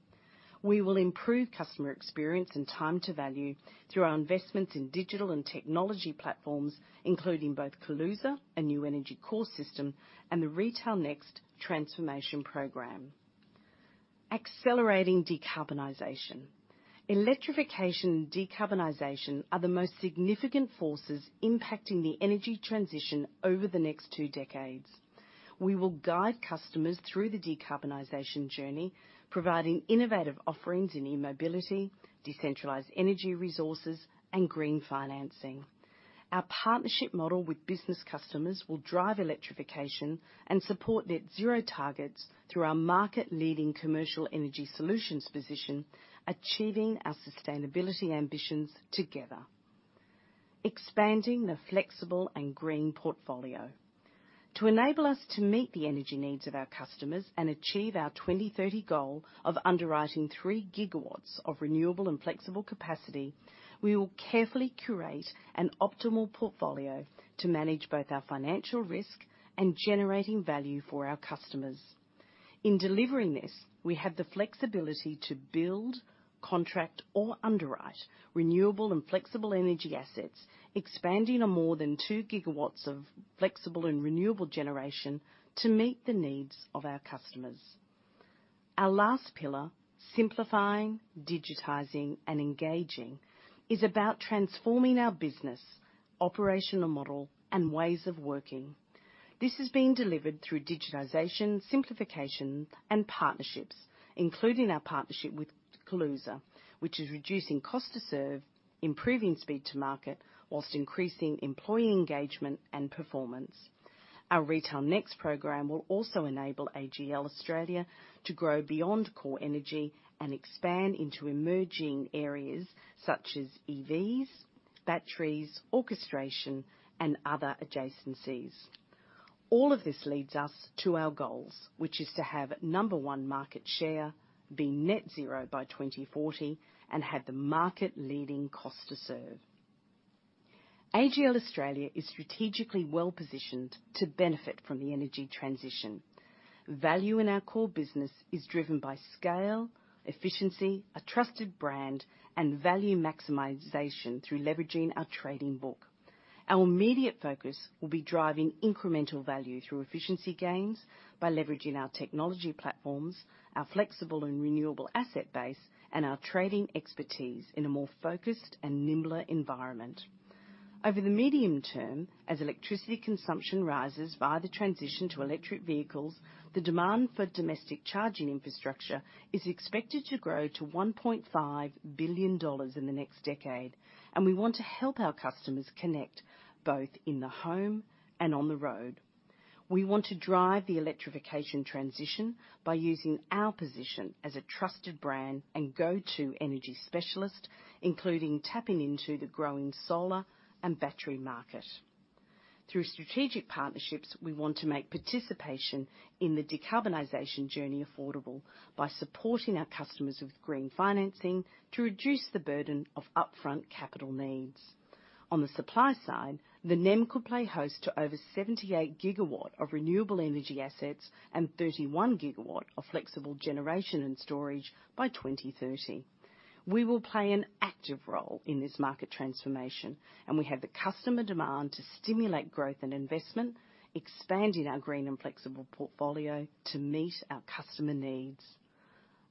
We will improve customer experience and time to value through our investments in digital and technology platforms, including both Kaluza, a new energy core system, and the Retail Next transformation program. Accelerating decarbonization. Electrification and decarbonization are the most significant forces impacting the energy transition over the next two decades. We will guide customers through the decarbonization journey, providing innovative offerings in e-mobility, decentralized energy resources, and green financing. Our partnership model with business customers will drive electrification and support net zero targets through our market-leading commercial energy solutions position, achieving our sustainability ambitions together. Expanding the flexible and green portfolio. To enable us to meet the energy needs of our customers and achieve our 2030 goal of underwriting 3 GW of renewable and flexible capacity, we will carefully curate an optimal portfolio to manage both our financial risk and generating value for our customers. In delivering this, we have the flexibility to build, contract, or underwrite renewable and flexible energy assets, expanding on more than 2 GW of flexible and renewable generation to meet the needs of our customers. Our last pillar, simplifying, digitizing, and engaging, is about transforming our business, operational model, and ways of working. This is being delivered through digitization, simplification, and partnerships, including our partnership with Kaluza, which is reducing cost to serve, improving speed to market, while increasing employee engagement and performance. Our Retail Next program will also enable AGL Australia to grow beyond core energy and expand into emerging areas such as EVs, batteries, orchestration, and other adjacencies. All of this leads us to our goals, which is to have No. 1 market share, be net zero by 2040, and have the market-leading cost to serve. AGL Australia is strategically well-positioned to benefit from the energy transition. Value in our core business is driven by scale, efficiency, a trusted brand, and value maximization through leveraging our trading book. Our immediate focus will be driving incremental value through efficiency gains by leveraging our technology platforms, our flexible and renewable asset base, and our trading expertise in a more focused and nimbler environment. Over the medium term, as electricity consumption rises via the transition to electric vehicles, the demand for domestic charging infrastructure is expected to grow to 1.5 billion dollars in the next decade, and we want to help our customers connect both in the home and on the road. We want to drive the electrification transition by using our position as a trusted brand and go-to energy specialist, including tapping into the growing solar and battery market. Through strategic partnerships, we want to make participation in the decarbonization journey affordable by supporting our customers with green financing to reduce the burden of upfront capital needs. On the supply side, the NEM could play host to over 78 GW of renewable energy assets and 31 GW of flexible generation and storage by 2030. We will play an active role in this market transformation, and we have the customer demand to stimulate growth and investment, expanding our green and flexible portfolio to meet our customer needs.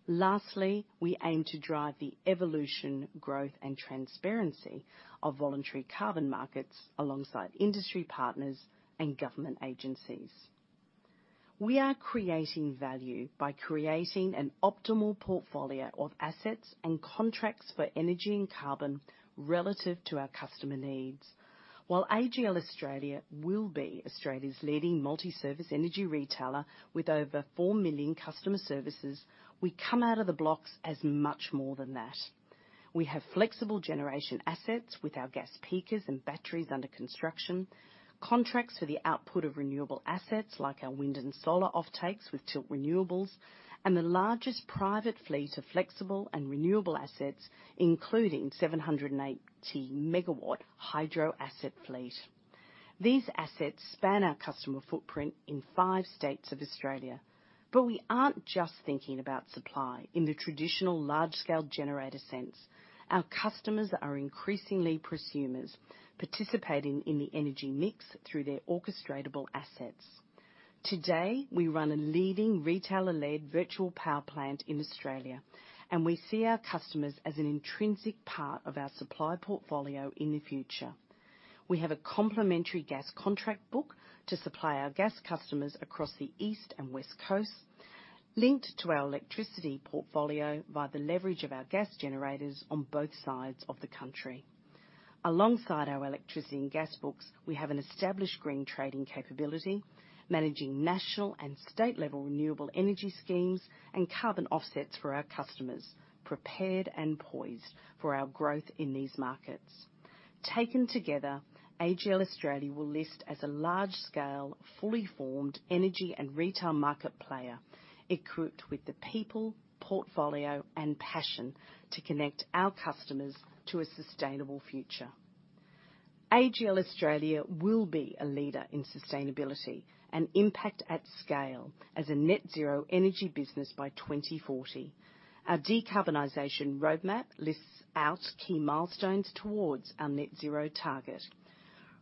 Lastly, we aim to drive the evolution, growth, and transparency of voluntary carbon markets alongside industry partners and government agencies. We are creating value by creating an optimal portfolio of assets and contracts for energy and carbon relative to our customer needs. While AGL Australia will be Australia's leading multi-service energy retailer with over 4 million customer services, we come out of the blocks as much more than that. We have flexible generation assets with our gas peakers and batteries under construction, contracts for the output of renewable assets like our wind and solar offtakes with Tilt Renewables, and the largest private fleet of flexible and renewable assets, including 780 MW hydro asset fleet. These assets span our customer footprint in five states of Australia. We aren't just thinking about supply in the traditional large-scale generator sense. Our customers are increasingly prosumers participating in the energy mix through their orchestratable assets. Today, we run a leading retailer-led virtual power plant in Australia, and we see our customers as an intrinsic part of our supply portfolio in the future. We have a complementary gas contract book to supply our gas customers across the East and West Coasts, linked to our electricity portfolio by the leverage of our gas generators on both sides of the country. Alongside our electricity and gas books, we have an established green trading capability, managing national and state-level renewable energy schemes and carbon offsets for our customers, prepared and poised for our growth in these markets. Taken together, AGL Australia will list as a large-scale, fully formed energy and retail market player, equipped with the people, portfolio, and passion to connect our customers to a sustainable future. AGL Australia will be a leader in sustainability and impact at scale as a net zero energy business by 2040. Our decarbonization roadmap lists out key milestones towards our net zero target.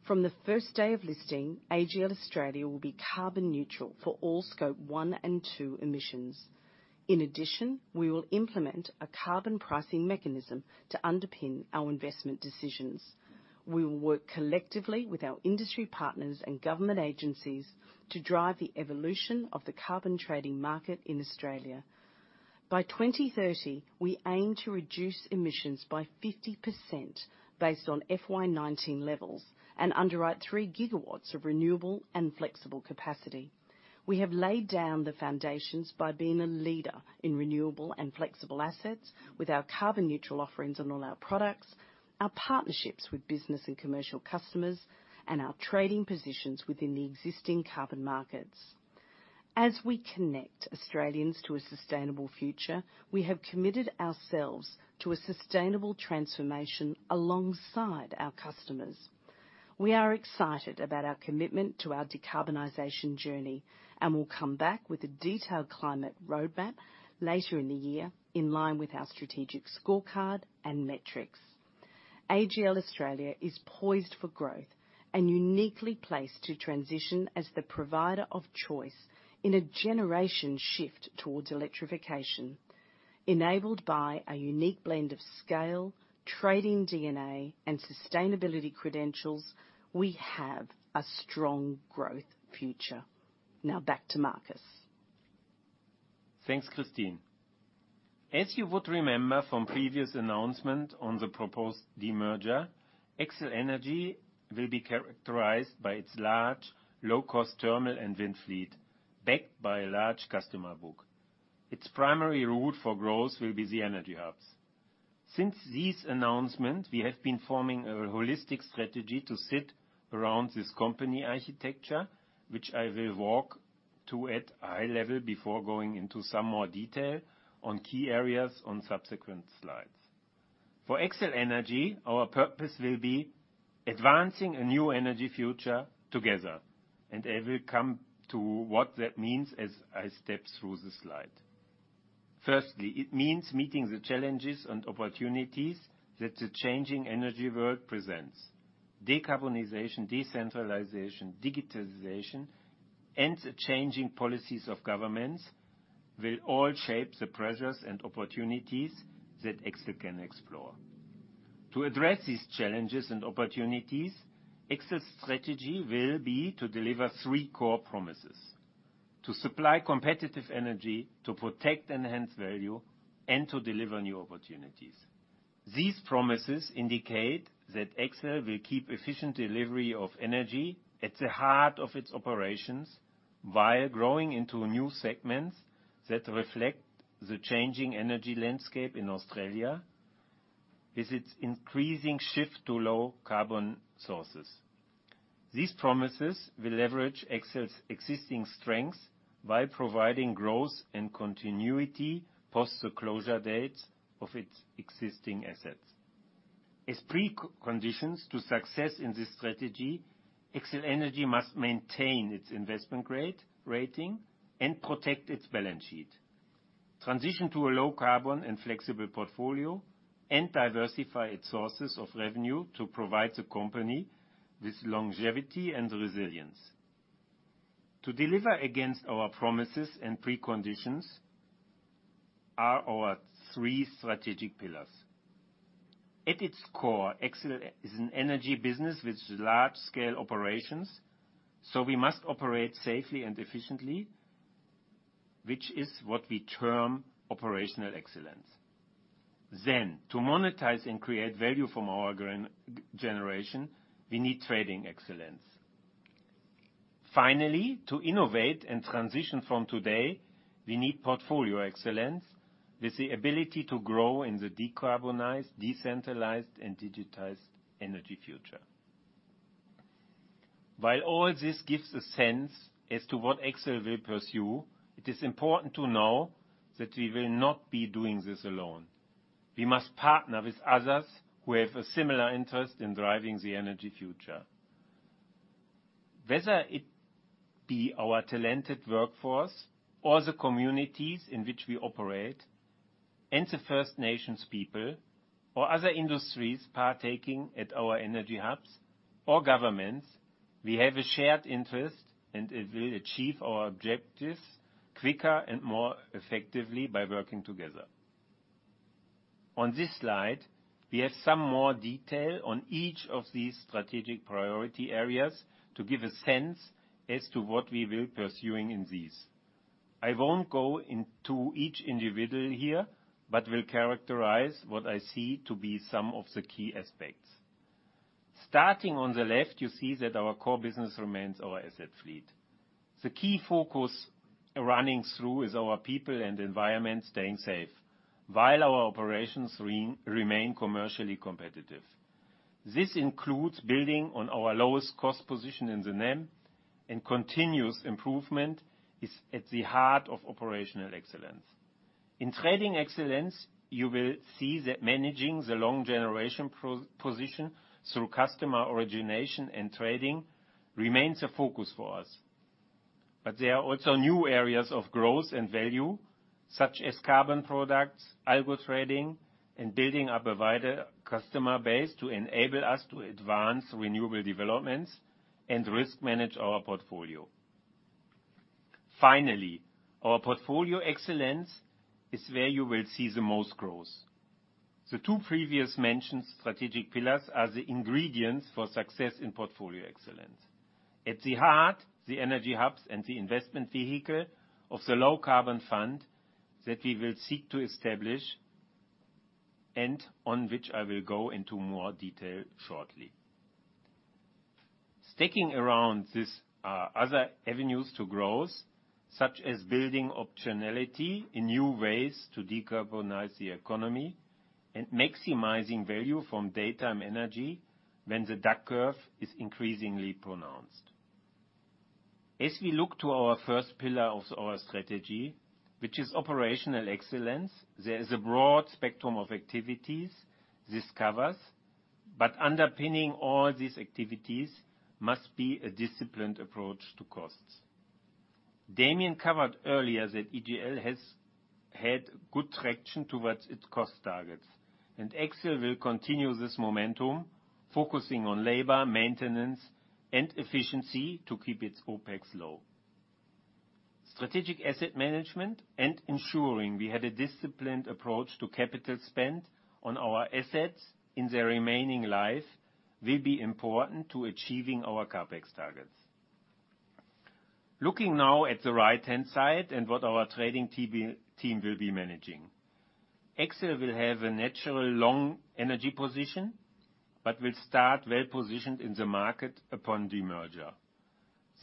From the first day of listing, AGL Australia will be carbon neutral for all scope 1 and 2 emissions. In addition, we will implement a carbon pricing mechanism to underpin our investment decisions. We will work collectively with our industry partners and government agencies to drive the evolution of the carbon trading market in Australia. By 2030, we aim to reduce emissions by 50% based on FY 2019 levels and underwrite 3 GW of renewable and flexible capacity. We have laid down the foundations by being a leader in renewable and flexible assets with our carbon neutral offerings on all our products, our partnerships with business and commercial customers, and our trading positions within the existing carbon markets. As we connect Australians to a sustainable future, we have committed ourselves to a sustainable transformation alongside our customers. We are excited about our commitment to our decarbonization journey, and we'll come back with a detailed climate roadmap later in the year in line with our strategic scorecard and metrics. AGL Australia is poised for growth and uniquely placed to transition as the provider of choice in a generation shift towards electrification. Enabled by a unique blend of scale, trading DNA, and sustainability credentials, we have a strong growth future. Now back to Markus. Thanks, Christine. As you would remember from previous announcement on the proposed demerger, Accel Energy will be characterized by its large, low-cost thermal and wind fleet, backed by a large customer book. Its primary route for growth will be the energy hubs. Since this announcement, we have been forming a holistic strategy built around this company architecture, which I will walk through at a high level before going into some more detail on key areas on subsequent slides. For Accel Energy, our purpose will be advancing a new energy future together, and I will come to what that means as I step through the slide. Firstly, it means meeting the challenges and opportunities that the changing energy world presents. Decarbonization, decentralization, digitization, and the changing policies of governments will all shape the pressures and opportunities that Accel can explore. To address these challenges and opportunities, Accel's strategy will be to deliver three core promises, to supply competitive energy, to protect enhanced value, and to deliver new opportunities. These promises indicate that Accel will keep efficient delivery of energy at the heart of its operations while growing into new segments that reflect the changing energy landscape in Australia with its increasing shift to low-carbon sources. These promises will leverage Accel's existing strengths while providing growth and continuity post the closure date of its existing assets. As preconditions to success in this strategy, Accel Energy must maintain its investment-grade rating and protect its balance sheet, transition to a low-carbon and flexible portfolio, and diversify its sources of revenue to provide the company with longevity and resilience. To deliver against our promises and preconditions are our three strategic pillars. At its core, Accel is an energy business with large-scale operations, so we must operate safely and efficiently, which is what we term operational excellence. To monetize and create value from our generation, we need trading excellence. To innovate and transition from today, we need portfolio excellence with the ability to grow in the decarbonized, decentralized, and digitized energy future. While all this gives a sense as to what Accel will pursue, it is important to know that we will not be doing this alone. We must partner with others who have a similar interest in driving the energy future. Whether it be our talented workforce or the communities in which we operate. The First Nations people or other industries partaking at our energy hubs or governments, we have a shared interest, and it will achieve our objectives quicker and more effectively by working together. On this slide, we have some more detail on each of these strategic priority areas to give a sense as to what we will be pursuing in these. I won't go into each individual here, but will characterize what I see to be some of the key aspects. Starting on the left, you see that our core business remains our asset fleet. The key focus running through is our people and environment staying safe, while our operations remain commercially competitive. This includes building on our lowest cost position in the NEM, and continuous improvement is at the heart of operational excellence. In trading excellence, you will see that managing the long generation proposition through customer origination and trading remains a focus for us. There are also new areas of growth and value, such as carbon products, algo trading, and building up a wider customer base to enable us to advance renewable developments and risk manage our portfolio. Finally, our portfolio excellence is where you will see the most growth. The two previously mentioned strategic pillars are the ingredients for success in portfolio excellence. At the heart, the energy hubs and the investment vehicle of the low-carbon fund that we will seek to establish and on which I will go into more detail shortly. Sticking around this, other avenues to growth, such as building optionality in new ways to decarbonize the economy and maximizing value from daytime energy when the duck curve is increasingly pronounced. As we look to our first pillar of our strategy, which is operational excellence, there is a broad spectrum of activities this covers, but underpinning all these activities must be a disciplined approach to costs. Damien covered earlier that AGL has had good traction towards its cost targets, and Accel will continue this momentum, focusing on labor, maintenance, and efficiency to keep its OpEx low. Strategic asset management and ensuring we have a disciplined approach to capital spend on our assets in their remaining life will be important to achieving our CapEx targets. Looking now at the right-hand side and what our trading team will be managing. Accel will have a natural long energy position, but will start well positioned in the market upon demerger.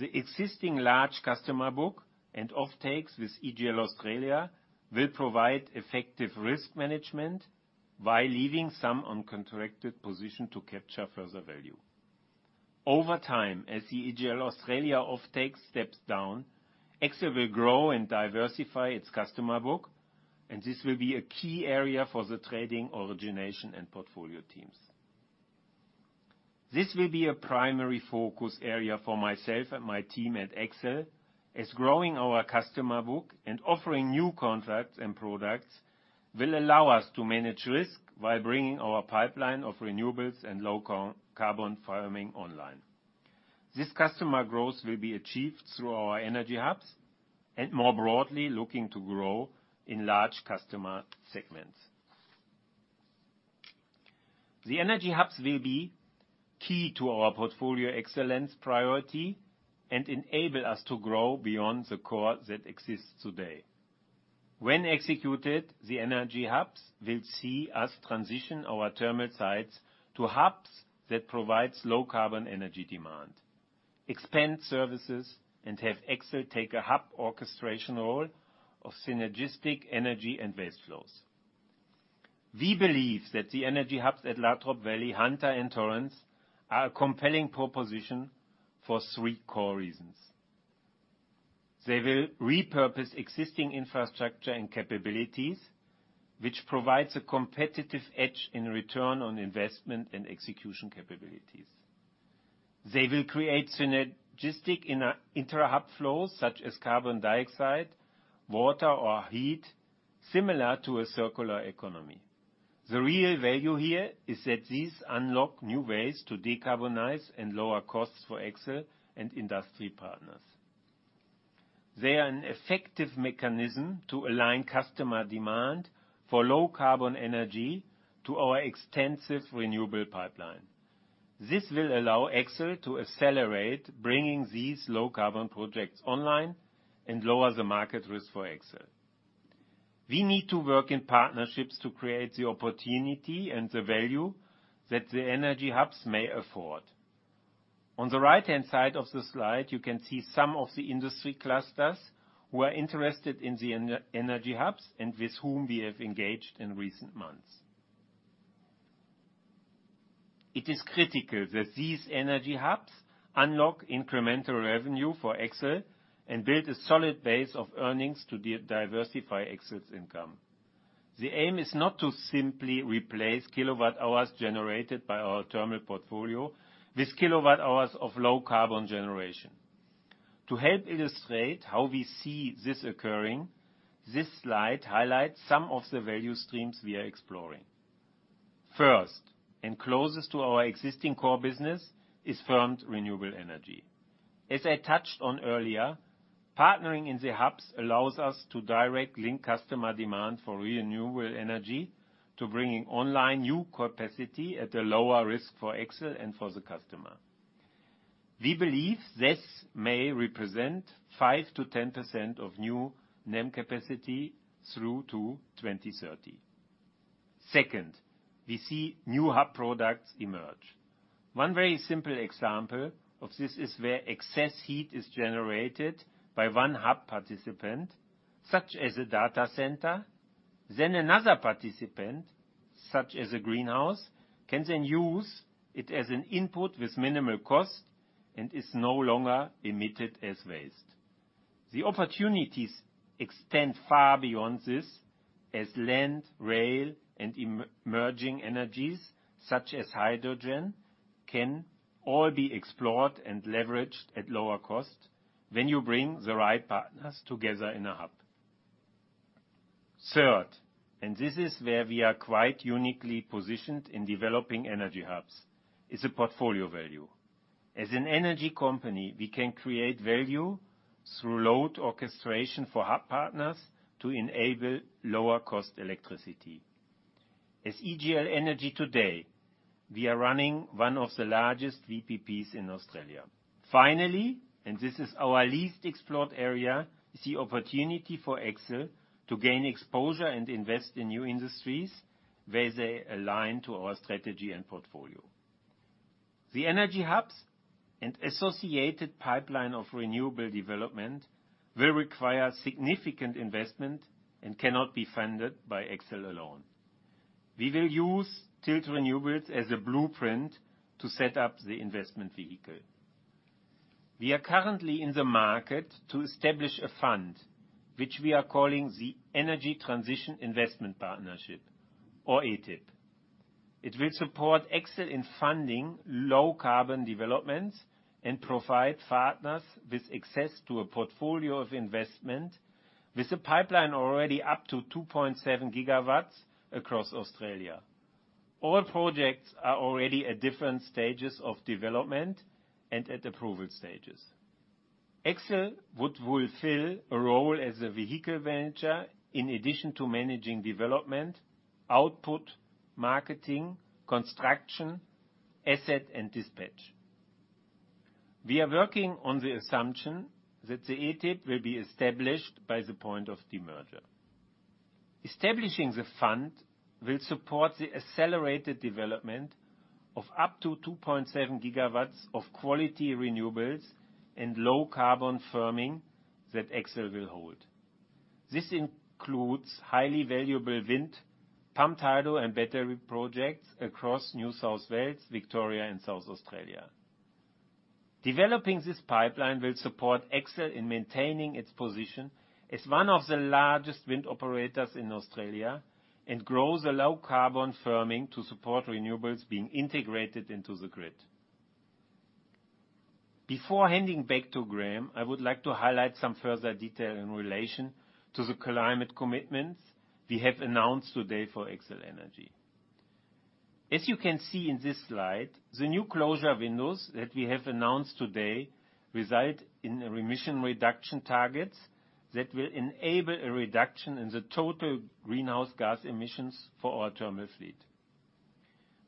The existing large customer book and offtakes with AGL Australia will provide effective risk management, while leaving some uncontracted position to capture further value. Over time, as the AGL Australia offtake steps down, Accel will grow and diversify its customer book, and this will be a key area for the trading origination and portfolio teams. This will be a primary focus area for myself and my team at Accel, as growing our customer book and offering new contracts and products will allow us to manage risk while bringing our pipeline of renewables and low-carbon firming online. This customer growth will be achieved through our energy hubs and more broadly looking to grow in large customer segments. The energy hubs will be key to our portfolio excellence priority and enable us to grow beyond the core that exists today. When executed, the energy hubs will see us transition our terminal sites to hubs that provides low-carbon energy demand, expand services and have Accel take a hub orchestration role of synergistic energy and waste flows. We believe that the energy hubs at Latrobe Valley, Hunter, and Torrens are a compelling proposition for three core reasons. They will repurpose existing infrastructure and capabilities, which provides a competitive edge in return on investment and execution capabilities. They will create synergistic inter-hub flows such as carbon dioxide, water or heat, similar to a circular economy. The real value here is that these unlock new ways to decarbonize and lower costs for Accel and industry partners. They are an effective mechanism to align customer demand for low-carbon energy to our extensive renewable pipeline. This will allow Accel to accelerate bringing these low-carbon projects online and lower the market risk for Accel. We need to work in partnerships to create the opportunity and the value that the energy hubs may afford. On the right-hand side of the slide, you can see some of the industry clusters who are interested in the energy hubs and with whom we have engaged in recent months. It is critical that these energy hubs unlock incremental revenue for Accel and build a solid base of earnings to diversify Accel's income. The aim is not to simply replace kilowatt hours generated by our thermal portfolio with kilowatt hours of low-carbon generation. To help illustrate how we see this occurring, this slide highlights some of the value streams we are exploring. First, and closest to our existing core business, is firmed renewable energy. As I touched on earlier, partnering in the hubs allows us to directly link customer demand for renewable energy to bringing online new capacity at a lower risk for Accel and for the customer. We believe this may represent 5%-10% of new NEM capacity through to 2030. Second, we see new hub products emerge. One very simple example of this is where excess heat is generated by one hub participant, such as a data center. Then another participant, such as a greenhouse, can then use it as an input with minimal cost and is no longer emitted as waste. The opportunities extend far beyond this, as land, rail, and emerging energies, such as hydrogen, can all be explored and leveraged at lower cost when you bring the right partners together in a hub. Third, and this is where we are quite uniquely positioned in developing energy hubs, is a portfolio value. As an energy company, we can create value through load orchestration for hub partners to enable lower cost electricity. As AGL Energy today, we are running one of the largest VPPs in Australia. Finally, this is our least explored area, is the opportunity for Accel to gain exposure and invest in new industries where they align to our strategy and portfolio. The energy hubs and associated pipeline of renewable development will require significant investment and cannot be funded by Accel alone. We will use Tilt Renewables as a blueprint to set up the investment vehicle. We are currently in the market to establish a fund, which we are calling the Energy Transition Investment Partnership, or ETIP. It will support Accel in funding low-carbon developments and provide partners with access to a portfolio of investment with a pipeline already up to 2.7 GW across Australia. All projects are already at different stages of development and at approval stages. Accel would fulfill a role as a vehicle venture in addition to managing development, output, marketing, construction, asset, and dispatch. We are working on the assumption that the ETIP will be established by the point of demerger. Establishing the fund will support the accelerated development of up to 2.7 GW of quality renewables and low carbon firming that Accel will hold. This includes highly valuable wind, pumped hydro, and battery projects across New South Wales, Victoria, and South Australia. Developing this pipeline will support Accel in maintaining its position as one of the largest wind operators in Australia and grow the low carbon firming to support renewables being integrated into the grid. Before handing back to Graham, I would like to highlight some further detail in relation to the climate commitments we have announced today for Accel Energy. As you can see in this slide, the new closure windows that we have announced today reside in emission reduction targets that will enable a reduction in the total greenhouse gas emissions for our thermal fleet.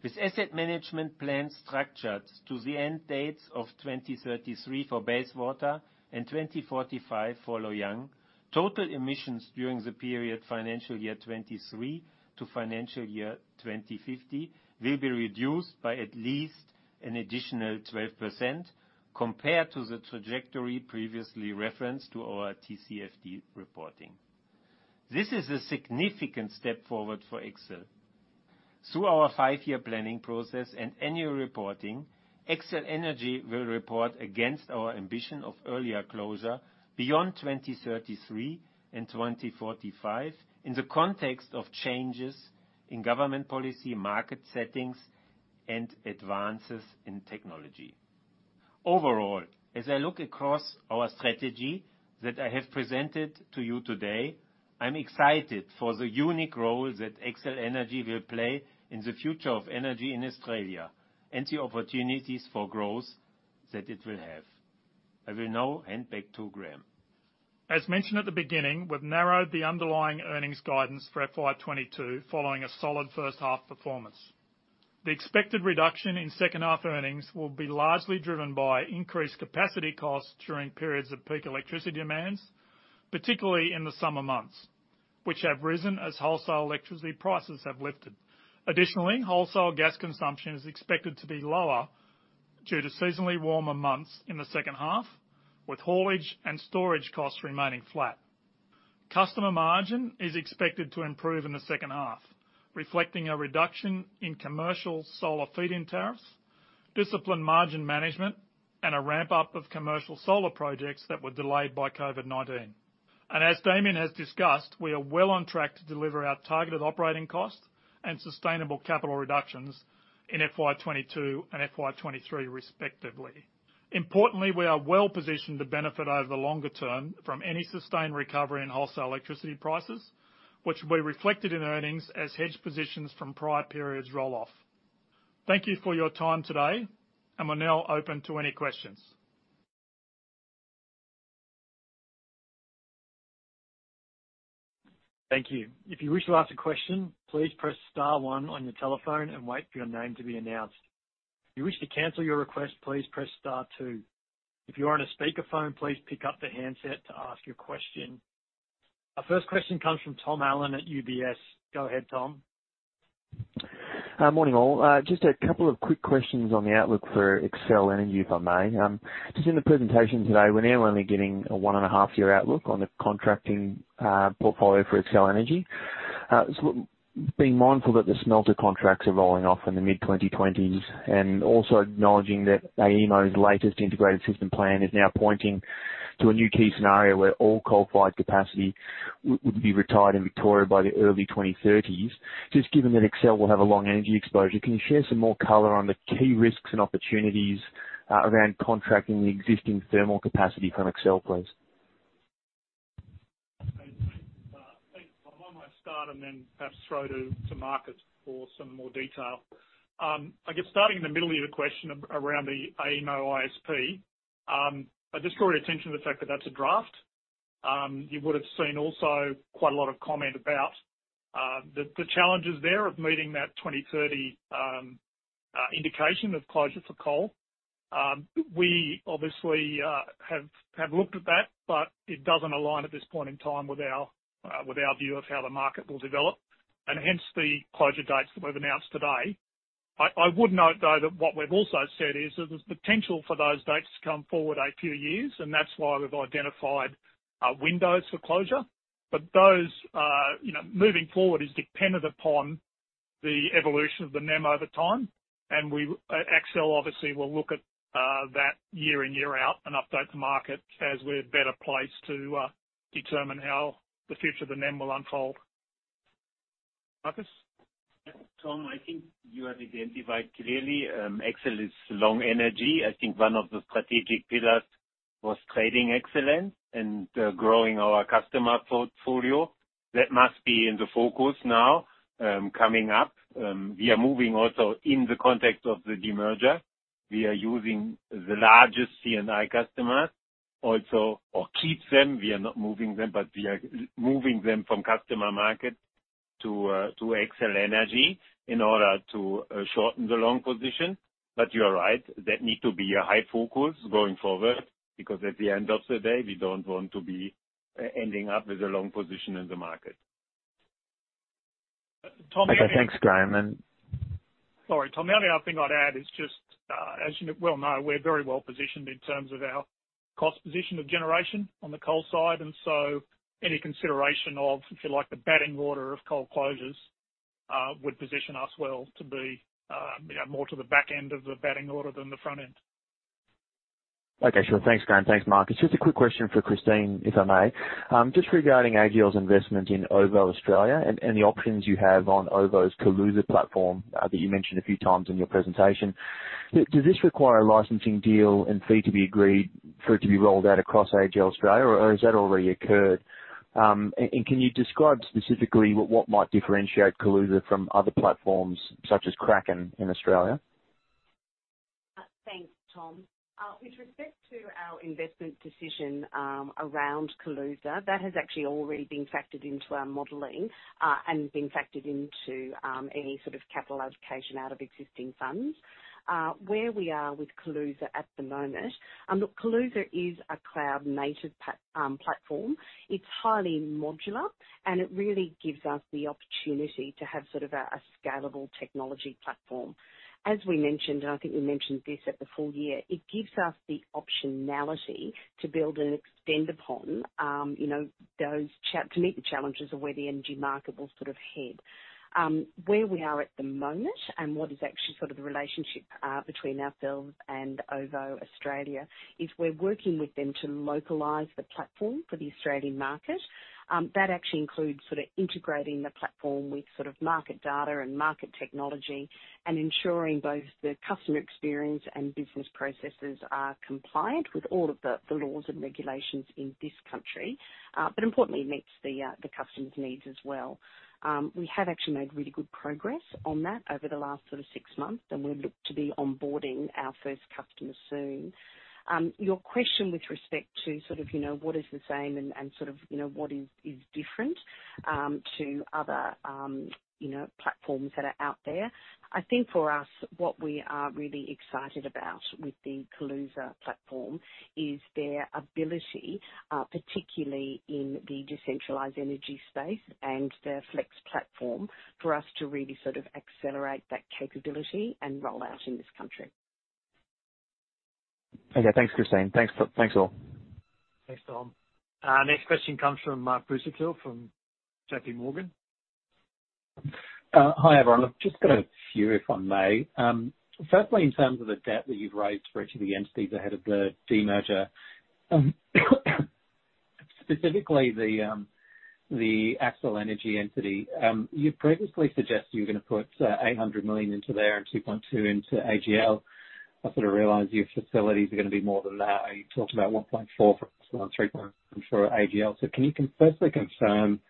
With asset management plans structured to the end dates of 2033 for Bayswater and 2045 for Loy Yang, total emissions during the period financial year 2023 to financial year 2050 will be reduced by at least an additional 12% compared to the trajectory previously referenced to our TCFD reporting. This is a significant step forward for Accel. Through our five-year planning process and annual reporting, Accel Energy will report against our ambition of earlier closure beyond 2033 and 2045 in the context of changes in government policy, market settings, and advances in technology. Overall, as I look across our strategy that I have presented to you today, I'm excited for the unique role that Accel Energy will play in the future of energy in Australia and the opportunities for growth that it will have. I will now hand back to Graham. As mentioned at the beginning, we've narrowed the underlying earnings guidance for FY 2022 following a solid first half performance. The expected reduction in second half earnings will be largely driven by increased capacity costs during periods of peak electricity demands, particularly in the summer months, which have risen as wholesale electricity prices have lifted. Additionally, wholesale gas consumption is expected to be lower due to seasonally warmer months in the second half, with haulage and storage costs remaining flat. Customer margin is expected to improve in the second half, reflecting a reduction in commercial solar feed-in tariffs, disciplined margin management, and a ramp-up of commercial solar projects that were delayed by COVID-19. As Damien has discussed, we are well on track to deliver our targeted operating costs and sustainable capital reductions in FY 2022 and FY 2023 respectively. Importantly, we are well positioned to benefit over the longer term from any sustained recovery in wholesale electricity prices, which will be reflected in earnings as hedge positions from prior periods roll off. Thank you for your time today, and we're now open to any questions. Thank you. If you wish to ask a question, please press star one on your telephone and wait for your name to be announced. If you wish to cancel your request, please press star two. If you are on a speakerphone, please pick up the handset to ask your question. Our first question comes from Tom Allen at UBS. Go ahead, Tom. Morning, all. Just a couple of quick questions on the outlook for Accel Energy, if I may. Just in the presentation today, we're now only getting a one a half year outlook on the contracting portfolio for Accel Energy. Being mindful that the smelter contracts are rolling off in the mid-2020s and also acknowledging that AEMO's latest Integrated System Plan is now pointing to a new key scenario where all coal-fired capacity would be retired in Victoria by the early 2030s. Just given that Accel will have a long energy exposure, can you share some more color on the key risks and opportunities around contracting the existing thermal capacity from Accel, please? Thanks, Tom. Why don't I start and then perhaps throw to Markus for some more detail. I guess starting in the middle of your question around the AEMO ISP, I just draw your attention to the fact that that's a draft. You would have seen also quite a lot of comment about the challenges there of meeting that 2030 indication of closure for coal. We obviously have looked at that, but it doesn't align at this point in time with our view of how the market will develop, and hence the closure dates that we've announced today. I would note, though, that what we've also said is that there's potential for those dates to come forward a few years, and that's why we've identified windows for closure. Those, you know, moving forward is dependent upon the evolution of the NEM over time. Accel obviously will look at that year in, year out and update the market as we're better placed to determine how the future of the NEM will unfold. Markus? Tom, I think you have identified clearly, Accel Energy. I think one of the strategic pillars was trading excellence and, growing our customer portfolio. That must be in the focus now, coming up. We are moving also in the context of the demerger. We are using the largest C&I customers also or keep them. We are not moving them, but we are moving them from customer market to Accel Energy in order to, shorten the long position. But you are right, that need to be a high focus going forward because at the end of the day, we don't want to be ending up with a long position in the market. Okay, thanks, Graham. Sorry, Tom. The only other thing I'd add is just, as you know, well, we're very well positioned in terms of our cost position of generation on the coal side, and so any consideration of, if you like, the batting order of coal closures, would position us well to be, you know, more to the back end of the batting order than the front end. Okay, sure. Thanks, Graham. Thanks, Markus. Just a quick question for Christine, if I may. Just regarding AGL's investment in OVO Australia and the options you have on OVO's Kaluza platform that you mentioned a few times in your presentation. Does this require a licensing deal and fee to be agreed for it to be rolled out across AGL Australia, or has that already occurred? And can you describe specifically what might differentiate Kaluza from other platforms such as Kraken in Australia? Thanks, Tom. With respect to our investment decision around Kaluza, that has actually already been factored into our modeling and been factored into any sort of capital allocation out of existing funds. Where we are with Kaluza at the moment, look, Kaluza is a cloud-native platform. It's highly modular, and it really gives us the opportunity to have sort of a scalable technology platform. As we mentioned, I think we mentioned this at the full year, it gives us the optionality to build and extend upon, you know, to meet the challenges of where the energy market will sort of head. Where we are at the moment and what is actually sort of the relationship between ourselves and OVO Australia is we're working with them to localize the platform for the Australian market. That actually includes sort of integrating the platform with sort of market data and market technology and ensuring both the customer experience and business processes are compliant with all of the laws and regulations in this country, but importantly, meets the customer's needs as well. We have actually made really good progress on that over the last sort of six months, and we look to be onboarding our first customer soon. Your question with respect to sort of, you know, what is the same and sort of, you know, what is different to other, you know, platforms that are out there. I think for us, what we are really excited about with the Kaluza platform is their ability, particularly in the decentralized energy space and their flex platform, for us to really sort of accelerate that capability and rollout in this country. Okay, thanks, Christine. Thanks, all. Thanks, Tom. Next question comes from Mark Busuttil from JPMorgan. Hi, everyone. I've just got a few, if I may. Firstly, in terms of the debt that you've raised for each of the entities ahead of the demerger, specifically the Accel Energy entity, you previously suggested you were gonna put 800 million into there and 2.2 billion into AGL. I sort of realize your facilities are gonna be more than that. You talked about 1.4 billion for Accel and 3 billion, I'm sure, for AGL. Can you firstly confirm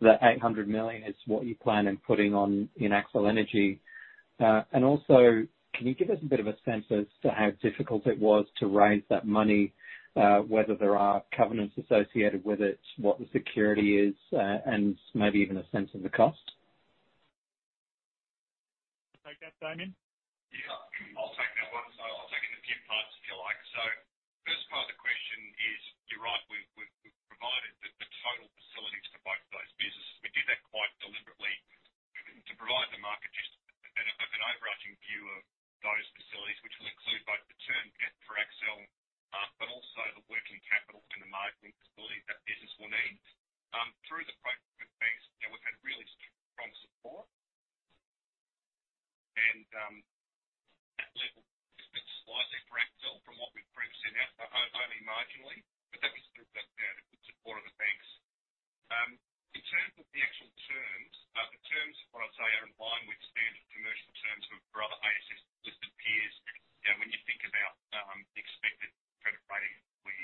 that 800 million is what you plan on putting on in Accel Energy? Also, can you give us a bit of a sense as to how difficult it was to raise that money, whether there are covenants associated with it, what the security is, and maybe even a sense of the cost? Take that, Damien? Yeah, I'll take that one. I'll take it in a few parts, if you like. First part of the question is you're right. We've provided the total facilities for both of those businesses. We did that quite deliberately to provide the market just an overarching view of those facilities, which will include both the term debt for Accel, but also the working capital and the modeling facility that business will need. Through the process with banks, you know, we've had really strong support. That level is a bit higher for Accel from what we've previously announced, but only marginally. That was through, you know, the support of the banks. In terms of the actual terms, the terms, what I'd say, are in line with standard commercial terms of other ASX-listed peers. You know, when you think about expected credit rating, we.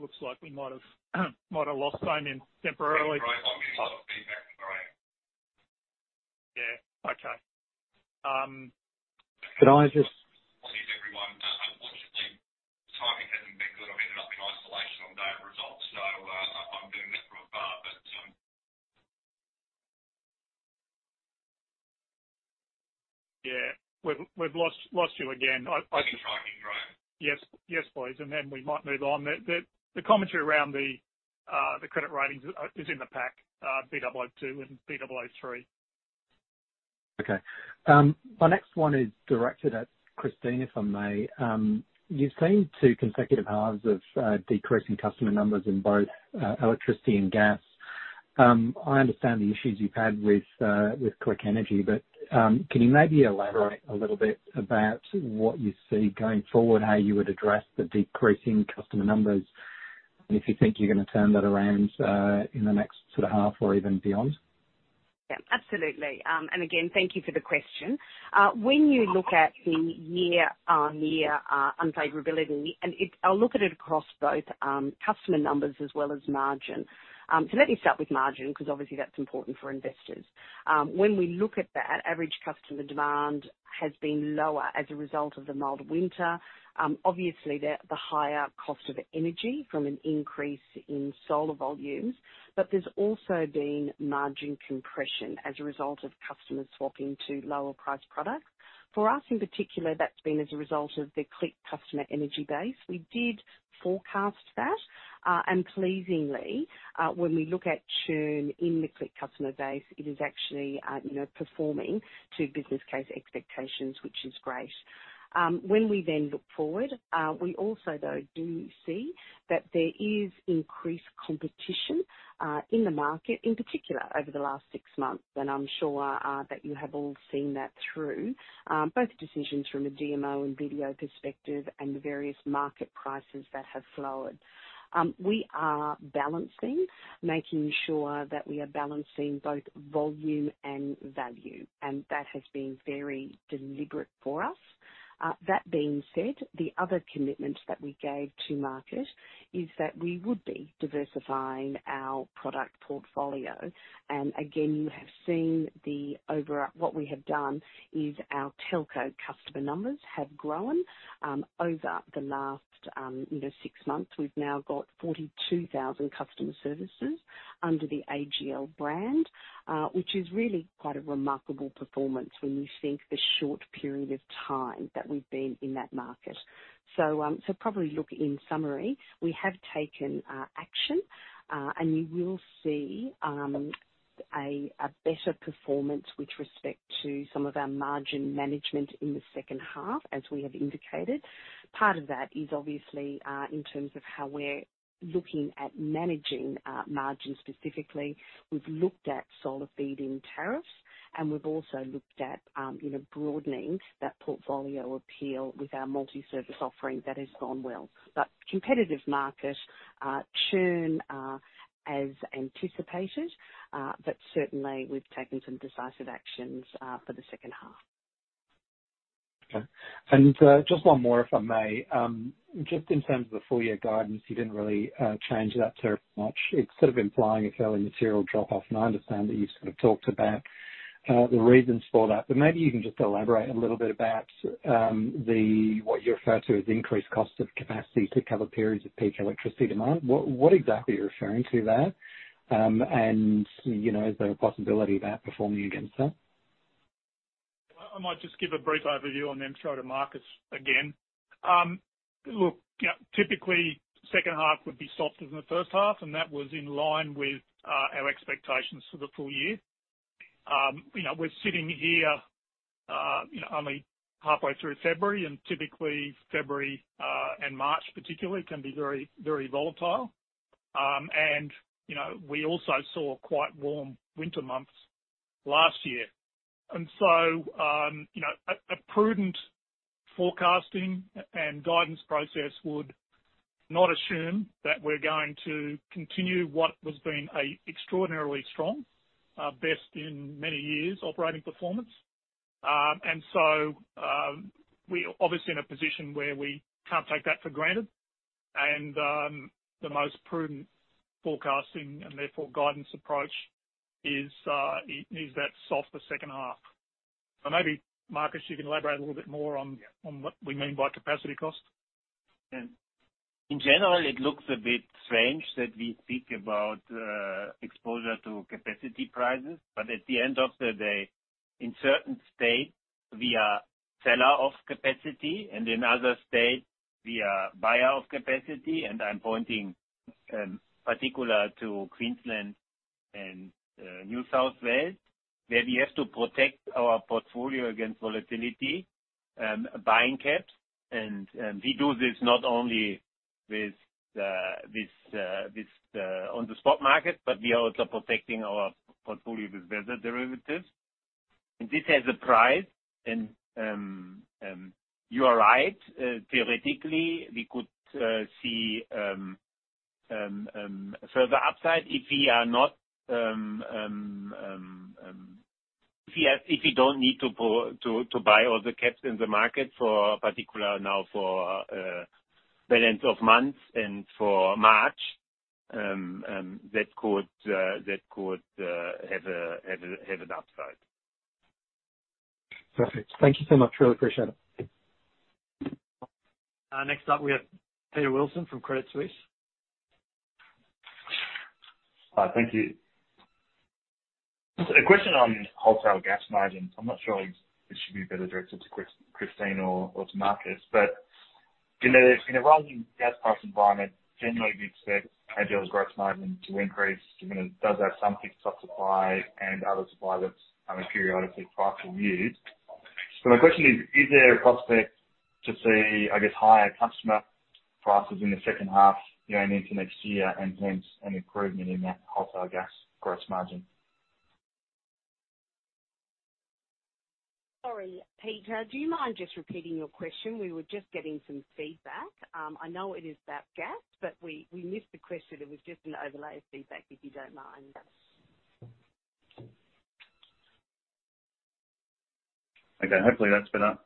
Looks like we might have lost Damien temporarily. Yeah, right. I'm getting a lot of feedback. Right. Yeah. Okay. Can I just After everyone. Unfortunately, timing hasn't been good. I've ended up in isolation on the day of results, so I'm doing that from afar. Yeah, we've lost you again. I. I can try again, Graham. Yes. Yes, please. We might move on. The commentary around the credit ratings is in the pack, Baa2 and Baa3. Okay. My next one is directed at Christine, if I may. You've seen two consecutive halves of decreasing customer numbers in both electricity and gas. I understand the issues you've had with Click Energy, but can you maybe elaborate a little bit about what you see going forward, how you would address the decreasing customer numbers, and if you think you're gonna turn that around in the next sort of half or even beyond? Yeah, absolutely. Again, thank you for the question. When you look at the year unfavorability, I'll look at it across both customer numbers as well as margin. Let me start with margin, 'cause obviously that's important for investors. When we look at that, average customer demand has been lower as a result of the mild winter. Obviously, the higher cost of energy from an increase in solar volumes, but there's also been margin compression as a result of customers swapping to lower priced products. For us, in particular, that's been as a result of the Click customer energy base. We did forecast that, and pleasingly, when we look at churn in the Click customer base, it is actually, you know, performing to business case expectations, which is great. When we then look forward, we also, though, do see that there is increased competition in the market, in particular over the last six months, and I'm sure that you have all seen that through both the decisions from a DMO and VDO perspective and the various market prices that have flowed. We are balancing both volume and value, and that has been very deliberate for us. That being said, the other commitment that we gave to market is that we would be diversifying our product portfolio. You have seen what we have done is our telco customer numbers have grown over the last, you know, six months. We've now got 42,000 customer services under the AGL brand, which is really quite a remarkable performance when you think of the short period of time that we've been in that market. In summary, we have taken action and you will see a better performance with respect to some of our margin management in the second half, as we have indicated. Part of that is obviously in terms of how we're looking at managing margin specifically. We've looked at solar feed-in tariffs, and we've also looked at, you know, broadening that portfolio appeal with our multi-service offering. That has gone well. Competitive market churn, as anticipated, but certainly we've taken some decisive actions for the second half. Okay. Just one more, if I may. Just in terms of the full year guidance, you didn't really change that terribly much. It's sort of implying a fairly material drop-off, and I understand that you've sort of talked about the reasons for that, but maybe you can just elaborate a little bit about what you refer to as increased costs of capacity to cover periods of peak electricity demand. What exactly are you referring to there? You know, is there a possibility of outperforming against that? I might just give a brief overview and then throw to Markus again. Look, yeah, typically second half would be softer than the first half, and that was in line with our expectations for the full year. You know, we're sitting here, you know, only halfway through February, and typically February and March particularly can be very, very volatile. You know, we also saw quite warm winter months last year. You know, a prudent forecasting and guidance process would not assume that we're going to continue what has been an extraordinarily strong, best in many years operating performance. You know, we are obviously in a position where we can't take that for granted. The most prudent forecasting, and therefore guidance approach is that softer second half. Maybe, Markus, you can elaborate a little bit more on what we mean by capacity cost. Yeah. In general, it looks a bit strange that we speak about exposure to capacity prices. At the end of the day, in certain states, we are seller of capacity, and in other states, we are buyer of capacity. I'm pointing in particular to Queensland and New South Wales, where we have to protect our portfolio against volatility buying caps. We do this not only with on the spot market, but we are also protecting our portfolio with weather derivatives. This has a price. You are right. Theoretically, we could see further upside if we are not. If we don't need to buy all the caps in the market for particular now for balance of months and for March, that could have an upside. Perfect. Thank you so much. Really appreciate it. Next up, we have Peter Wilson from Credit Suisse. Thank you. A question on wholesale gas margins. I'm not sure if this should be better directed to Christine or to Markus. You know, in a rising gas price environment, generally we expect AGL's gross margin to increase given it does have some fixed up supply and other supply that's periodically priced over years. My question is there a prospect to see, I guess, higher customer prices in the second half going into next year and hence an improvement in that wholesale gas gross margin? Sorry, Peter, do you mind just repeating your question? We were just getting some feedback. I know it is about gas, but we missed the question. It was just an overlay of feedback, if you don't mind. Okay. Hopefully, that's better.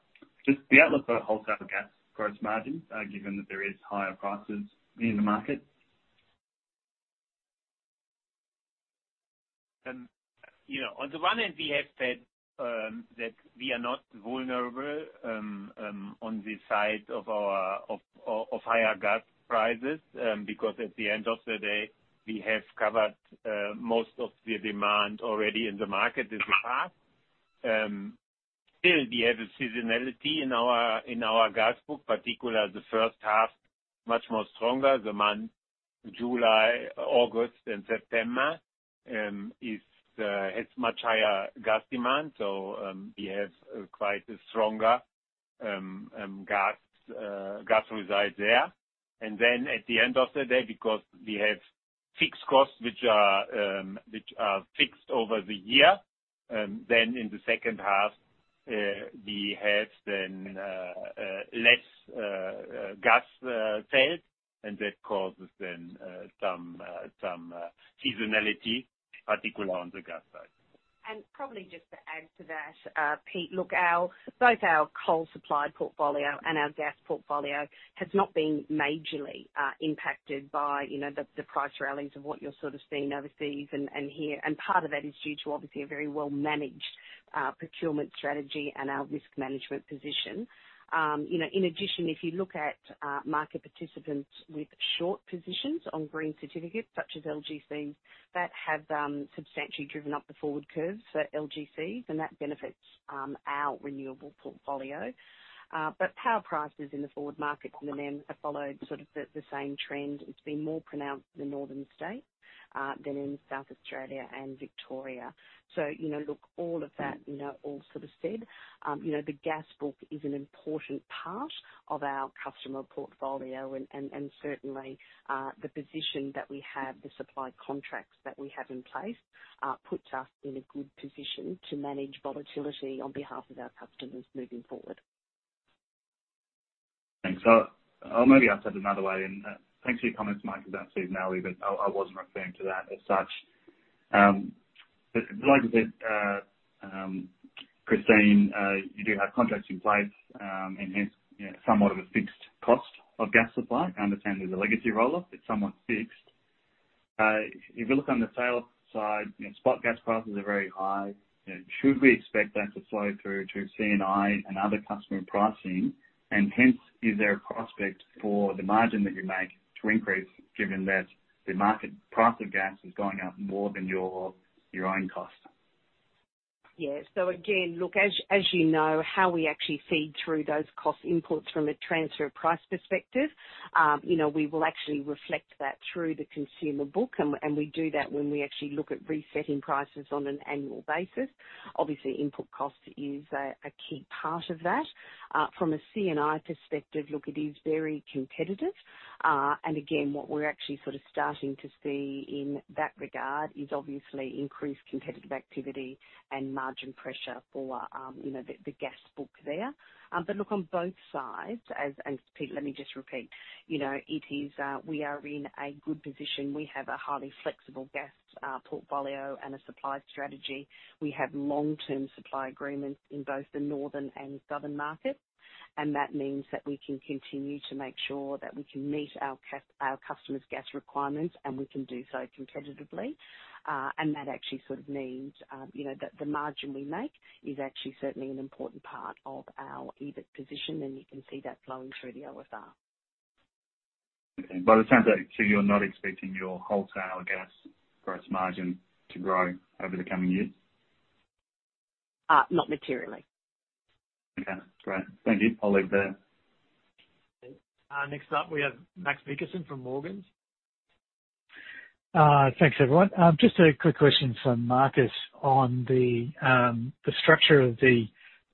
Just the outlook for wholesale gas gross margin, given that there is higher prices in the market? You know, on the one end we have said that we are not vulnerable on the side of our higher gas prices because at the end of the day, we have covered most of the demand already in the market this year. Still we have a seasonality in our gas book, particularly the first half, much more stronger. The month July, August and September has much higher gas demand. We have quite a stronger gas result there. At the end of the day, because we have fixed costs, which are fixed over the year, in the second half, we have less gas sales, and that causes some seasonality, particularly on the gas side. Probably just to add to that, Pete, look, both our coal supply portfolio and our gas portfolio has not been majorly impacted by, you know, the price rallies of what you're sort of seeing overseas and here. Part of that is due to obviously a very well-managed procurement strategy and our risk management position. You know, in addition, if you look at market participants with short positions on green certificates such as LGC, that have substantially driven up the forward curves for LGC, then that benefits our renewable portfolio. But power prices in the forward markets and then have followed sort of the same trend. It's been more pronounced in the northern state than in South Australia and Victoria. You know, look, all of that, you know, all said and done, the gas book is an important part of our customer portfolio. And certainly, the position that we have, the supply contracts that we have in place, puts us in a good position to manage volatility on behalf of our customers moving forward. Thanks. Or maybe I'll say it another way and thanks for your comments, Markus, about seasonality, but I wasn't referring to that as such. But like I said, Christine, you do have contracts in place and hence, you know, somewhat of a fixed cost of gas supply. I understand there's a legacy roll-off, it's somewhat fixed. If you look on the sale side, you know, spot gas prices are very high. You know, should we expect that to flow through to C&I and other customer pricing? And hence, is there a prospect for the margin that you make to increase given that the market price of gas is going up more than your own cost? Yeah. Again, look, as you know, how we actually feed through those cost inputs from a transfer price perspective, you know, we will actually reflect that through the consumer book, and we do that when we actually look at resetting prices on an annual basis. Obviously, input cost is a key part of that. From a C&I perspective, look, it is very competitive. Again, what we're actually sort of starting to see in that regard is obviously increased competitive activity and margin pressure for, you know, the gas book there. Look, on both sides, let me just repeat. You know, it is, we are in a good position. We have a highly flexible gas portfolio and a supply strategy. We have long-term supply agreements in both the northern and southern markets, and that means that we can continue to make sure that we can meet our customers' gas requirements, and we can do so competitively. That actually sort of means, you know, the margin we make is actually certainly an important part of our EBIT position, and you can see that flowing through the LSR. Okay. It sounds like, so you're not expecting your wholesale gas gross margin to grow over the coming years? Not materially. Okay, great. Thank you. I'll leave it there. Next up, we have Max Vickerson from Morgans. Thanks, everyone. Just a quick question for Markus on the structure of the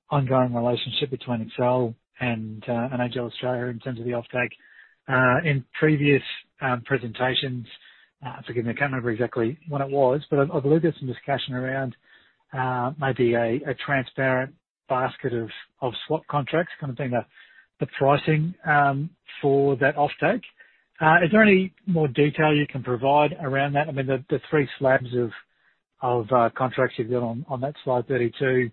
ongoing relationship between Accel and AGL Australia in terms of the offtake. In previous presentations, forgive me, I can't remember exactly when it was, but I believe there's some discussion around maybe a transparent basket of swap contracts kind of thing that the pricing for that offtake. Is there any more detail you can provide around that? I mean, the three slabs of contracts you've got on that slide 32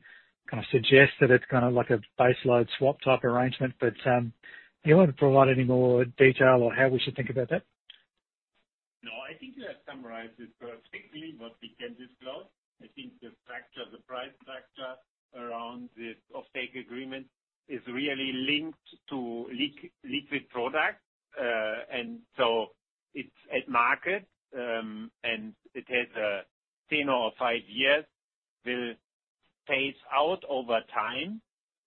kinda suggest that it's kinda like a baseload swap type arrangement. But do you want to provide any more detail on how we should think about that? No, I think you have summarized it perfectly, what we can disclose. I think the structure, the price structure around this offtake agreement is really linked to liquid products. It's at market, and it has a 10 or five years will phase out over time.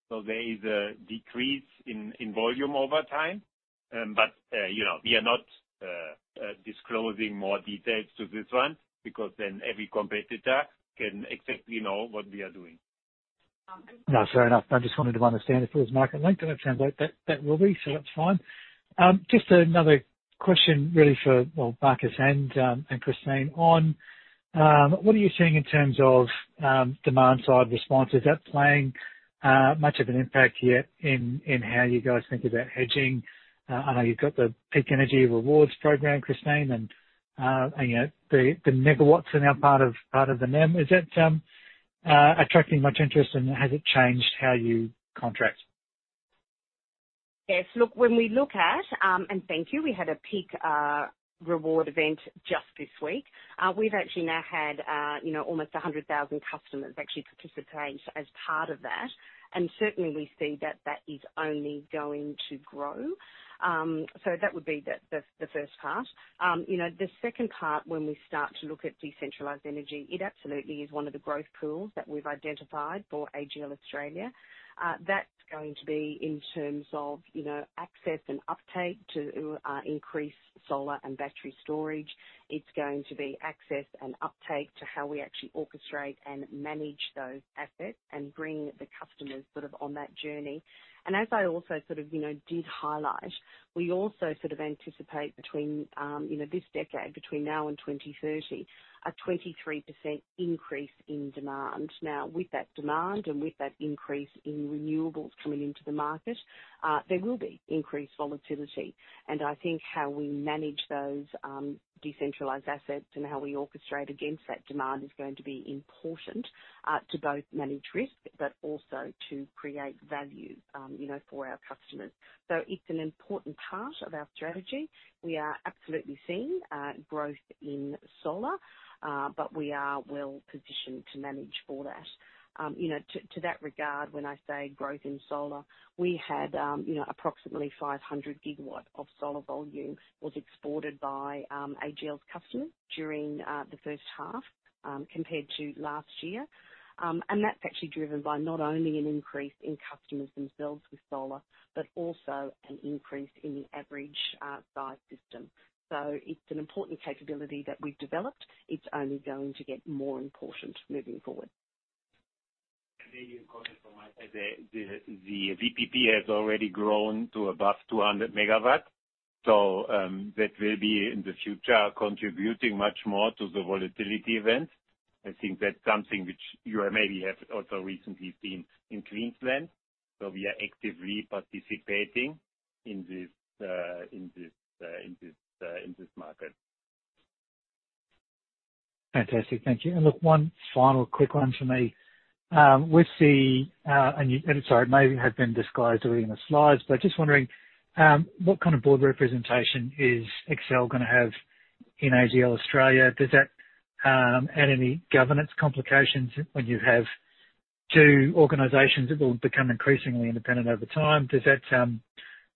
There is a decrease in volume over time. You know, we are not disclosing more details to this one because then every competitor can exactly know what we are doing. No, fair enough. I just wanted to understand if it was market-linked, and it sounds like that will be, so that's fine. Just another question really for, well, Markus and Christine on what are you seeing in terms of demand-side response? Is that playing much of an impact yet in how you guys think about hedging? I know you've got the Peak Energy Rewards program, Christine, and, you know, the megawatts are now part of the NEM. Is that attracting much interest, and has it changed how you contract? Yes. Look, when we look at. Thank you. We had a Peak Energy Rewards event just this week. We've actually now had, you know, almost 100,000 customers actually participate as part of that. Certainly we see that that is only going to grow. So that would be the first part. You know, the second part, when we start to look at decentralized energy, it absolutely is one of the growth pools that we've identified for AGL Australia. That's going to be in terms of, you know, access and uptake to increase solar and battery storage. It's going to be access and uptake to how we actually orchestrate and manage those assets and bring the customers sort of on that journey. As I also sort of, you know, did highlight, we also sort of anticipate between now and 2030, a 23% increase in demand. Now, with that demand and with that increase in renewables coming into the market, there will be increased volatility. I think how we manage those decentralized assets and how we orchestrate against that demand is going to be important to both manage risk, but also to create value, you know, for our customers. It's an important part of our strategy. We are absolutely seeing growth in solar, but we are well positioned to manage for that. You know, to that regard, when I say growth in solar, we had, you know, approximately 500 GW of solar volume was exported by AGL's customers during the first half, compared to last year. That's actually driven by not only an increase in customers themselves with solar, but also an increase in the average size system. It's an important capability that we've developed. It's only going to get more important moving forward. Maybe a comment from my side. The VPP has already grown to above 200 MW, so that will be in the future contributing much more to the volatility event. I think that's something which you maybe have also recently seen in Queensland. We are actively participating in this market. Fantastic. Thank you. Look, one final quick one from me. Sorry, it may have been disclosed earlier in the slides, but just wondering what kind of board representation is Accel gonna have in AGL Australia? Does that add any governance complications when you have two organizations that will become increasingly independent over time, does that.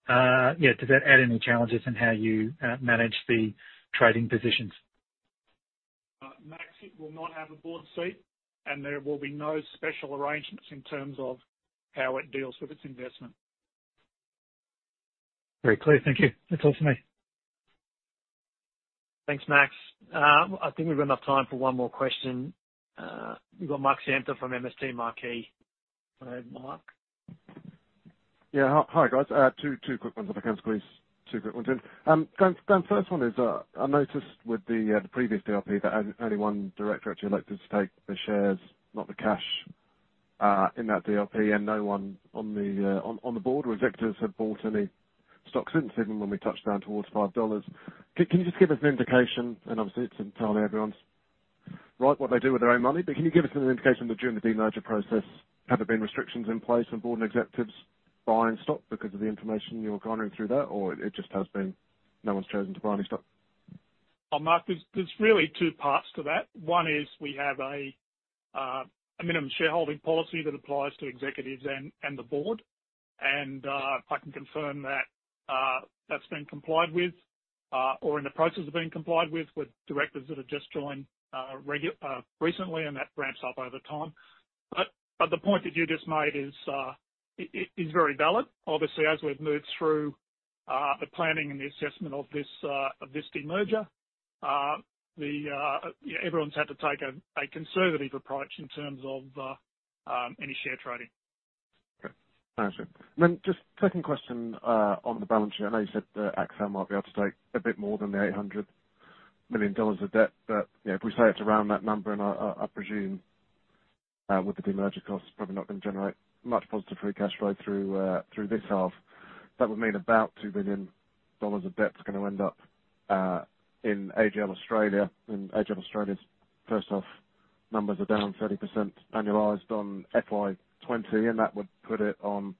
Yeah, does that add any challenges in how you manage the trading positions? Max, it will not have a board seat, and there will be no special arrangements in terms of how it deals with its investment. Very clear. Thank you. That's all for me. Thanks, Max. I think we've got enough time for one more question. We've got Mark Samter from MST Marquee. Go ahead, Mark. Hi, guys. Two quick ones, if I can squeeze two quick ones in. Graham, first one is, I noticed with the previous DRP that only one director actually elected to take the shares, not the cash, in that DRP, and no one on the board or executives have bought any stocks since, even when we touched down toward 5 dollars. Can you just give us an indication, and obviously it's entirely everyone's right what they do with their own money, but can you give us an indication that during the de-merger process, have there been restrictions in place on board and executives buying stock because of the information you were garnering through that, or it just has been no one's chosen to buy any stock? Well, Mark, there's really two parts to that. One is we have a minimum shareholding policy that applies to executives and the board. I can confirm that that's been complied with or in the process of being complied with directors that have just joined recently, and that ramps up over time. The point that you just made is it is very valid. Obviously, as we've moved through the planning and the assessment of this demerger, everyone's had to take a conservative approach in terms of any share trading. Okay. Understood. Just second question on the balance sheet. I know you said that Accel might be able to take a bit more than the 800 million dollars of debt, but, you know, if we say it's around that number, and I presume with the demerger costs, probably not gonna generate much positive free cash flow through this half. That would mean about 2 billion dollars of debt is gonna end up in AGL Australia. AGL Australia's first half numbers are down 30% annualized on FY 2020, and that would put it on,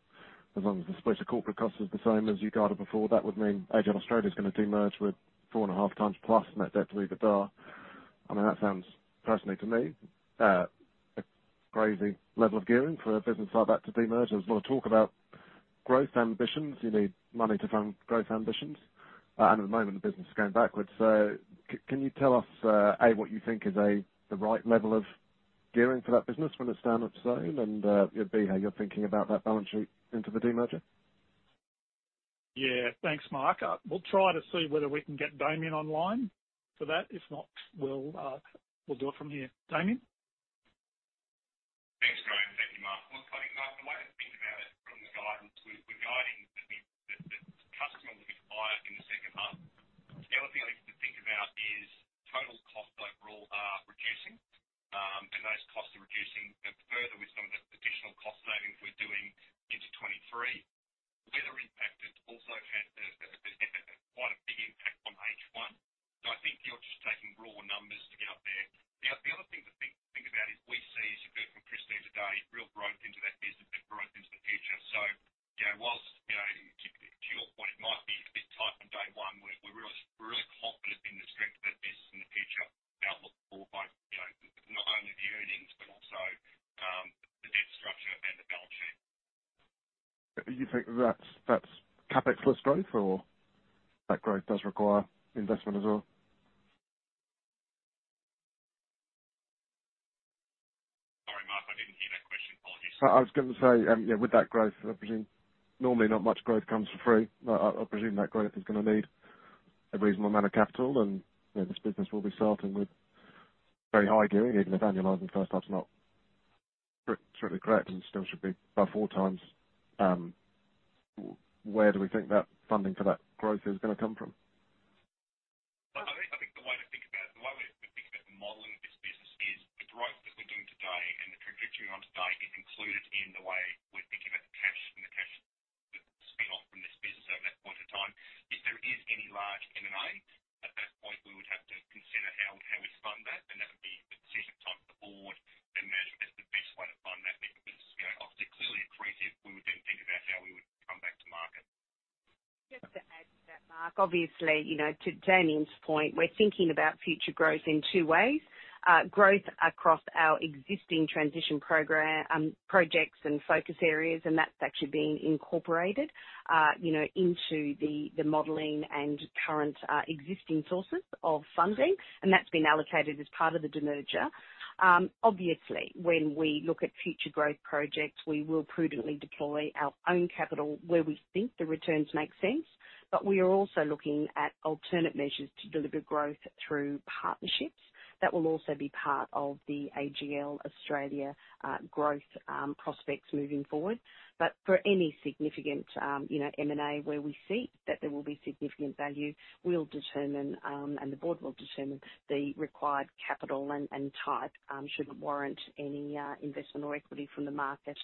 as long as the split of corporate cost is the same as you guided before, that would mean AGL Australia is gonna demerge with 4.5x plus net debt-to-EBITDA. I mean, that sounds, personally to me, a crazy level of gearing for a business like that to demerge. There's a lot of talk about growth ambitions. You need money to fund growth ambitions. And at the moment, the business is going backwards. Can you tell us, A, what you think is the right level of gearing for that business when it's standalone and, you know, B, how you're thinking about that balance sheet into the demerger? Yeah. Thanks, Mark. We'll try to see whether we can get Damien online for that. If not, we'll do it from here. Damien? Thanks, Graham. Thank you, Mark. Look, the way to think about it from the guidance, we're guiding that the customer will be higher in the second half. The other thing I think about is total costs overall are reducing, and those costs are reducing further with some of the additional cost savings we're doing into 2023. Weather impact has also had a bit, quite a big impact on H1. I think you're just taking raw numbers to get up there. The other thing to think about is we see, as you've heard from Christine today, real growth into that business and growth into the future. you know, while, you know, to your point, it might be a bit tight on day one, we're really confident in the strength of that business in the future outlook for by you know not only the earnings, but also the debt structure and the balance sheet. You think that's CapEx-less growth or that growth does require investment as well? Sorry, Mark, I didn't hear that question. Apologies. I was gonna say, yeah, with that growth, I presume normally not much growth comes for free. I presume that growth is gonna need a reasonable amount of capital. You know, this business will be starting with very high gearing, even if annualizing the first half is not strictly correct and still should be about 4x. Where do we think that funding for that growth is gonna come from? I think the way we're thinking about the modeling of this business is the growth that we're doing today and the trajectory we're on today is included in the way we're thinking about the cash and the cash spin-off from this business over that point in time. If there is any large M&A at that point, we would have to consider how we'd fund that, and that would be a decision taken to the board and management as the best way to fund that business. You know, obviously, clearly accretive, we would then think about how we would come back to market. Just to add to that, Mark, obviously, you know, to Damien's point, we're thinking about future growth in two ways. Growth across our existing transition projects and focus areas, and that's actually being incorporated, you know, into the modeling and current existing sources of funding. That's been allocated as part of the de-merger. Obviously, when we look at future growth projects, we will prudently deploy our own capital where we think the returns make sense. We are also looking at alternate measures to deliver growth through partnerships. That will also be part of the AGL Australia growth prospects moving forward. For any significant, you know, M&A where we see that there will be significant value, we'll determine, and the board will determine the required capital and type, should it warrant any investment or equity from the market.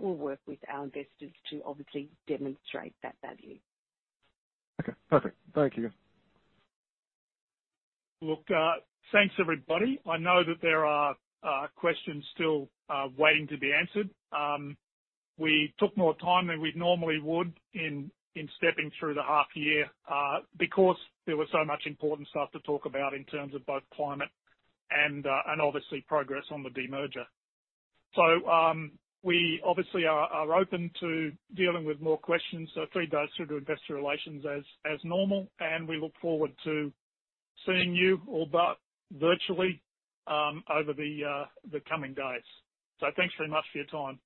We'll work with our investors to obviously demonstrate that value. Okay, perfect. Thank you. Look, thanks, everybody. I know that there are questions still waiting to be answered. We took more time than we normally would in stepping through the half year because there was so much important stuff to talk about in terms of both climate and obviously progress on the de-merger. We obviously are open to dealing with more questions. Please go through to investor relations as normal, and we look forward to seeing you all but virtually over the coming days. Thanks very much for your time.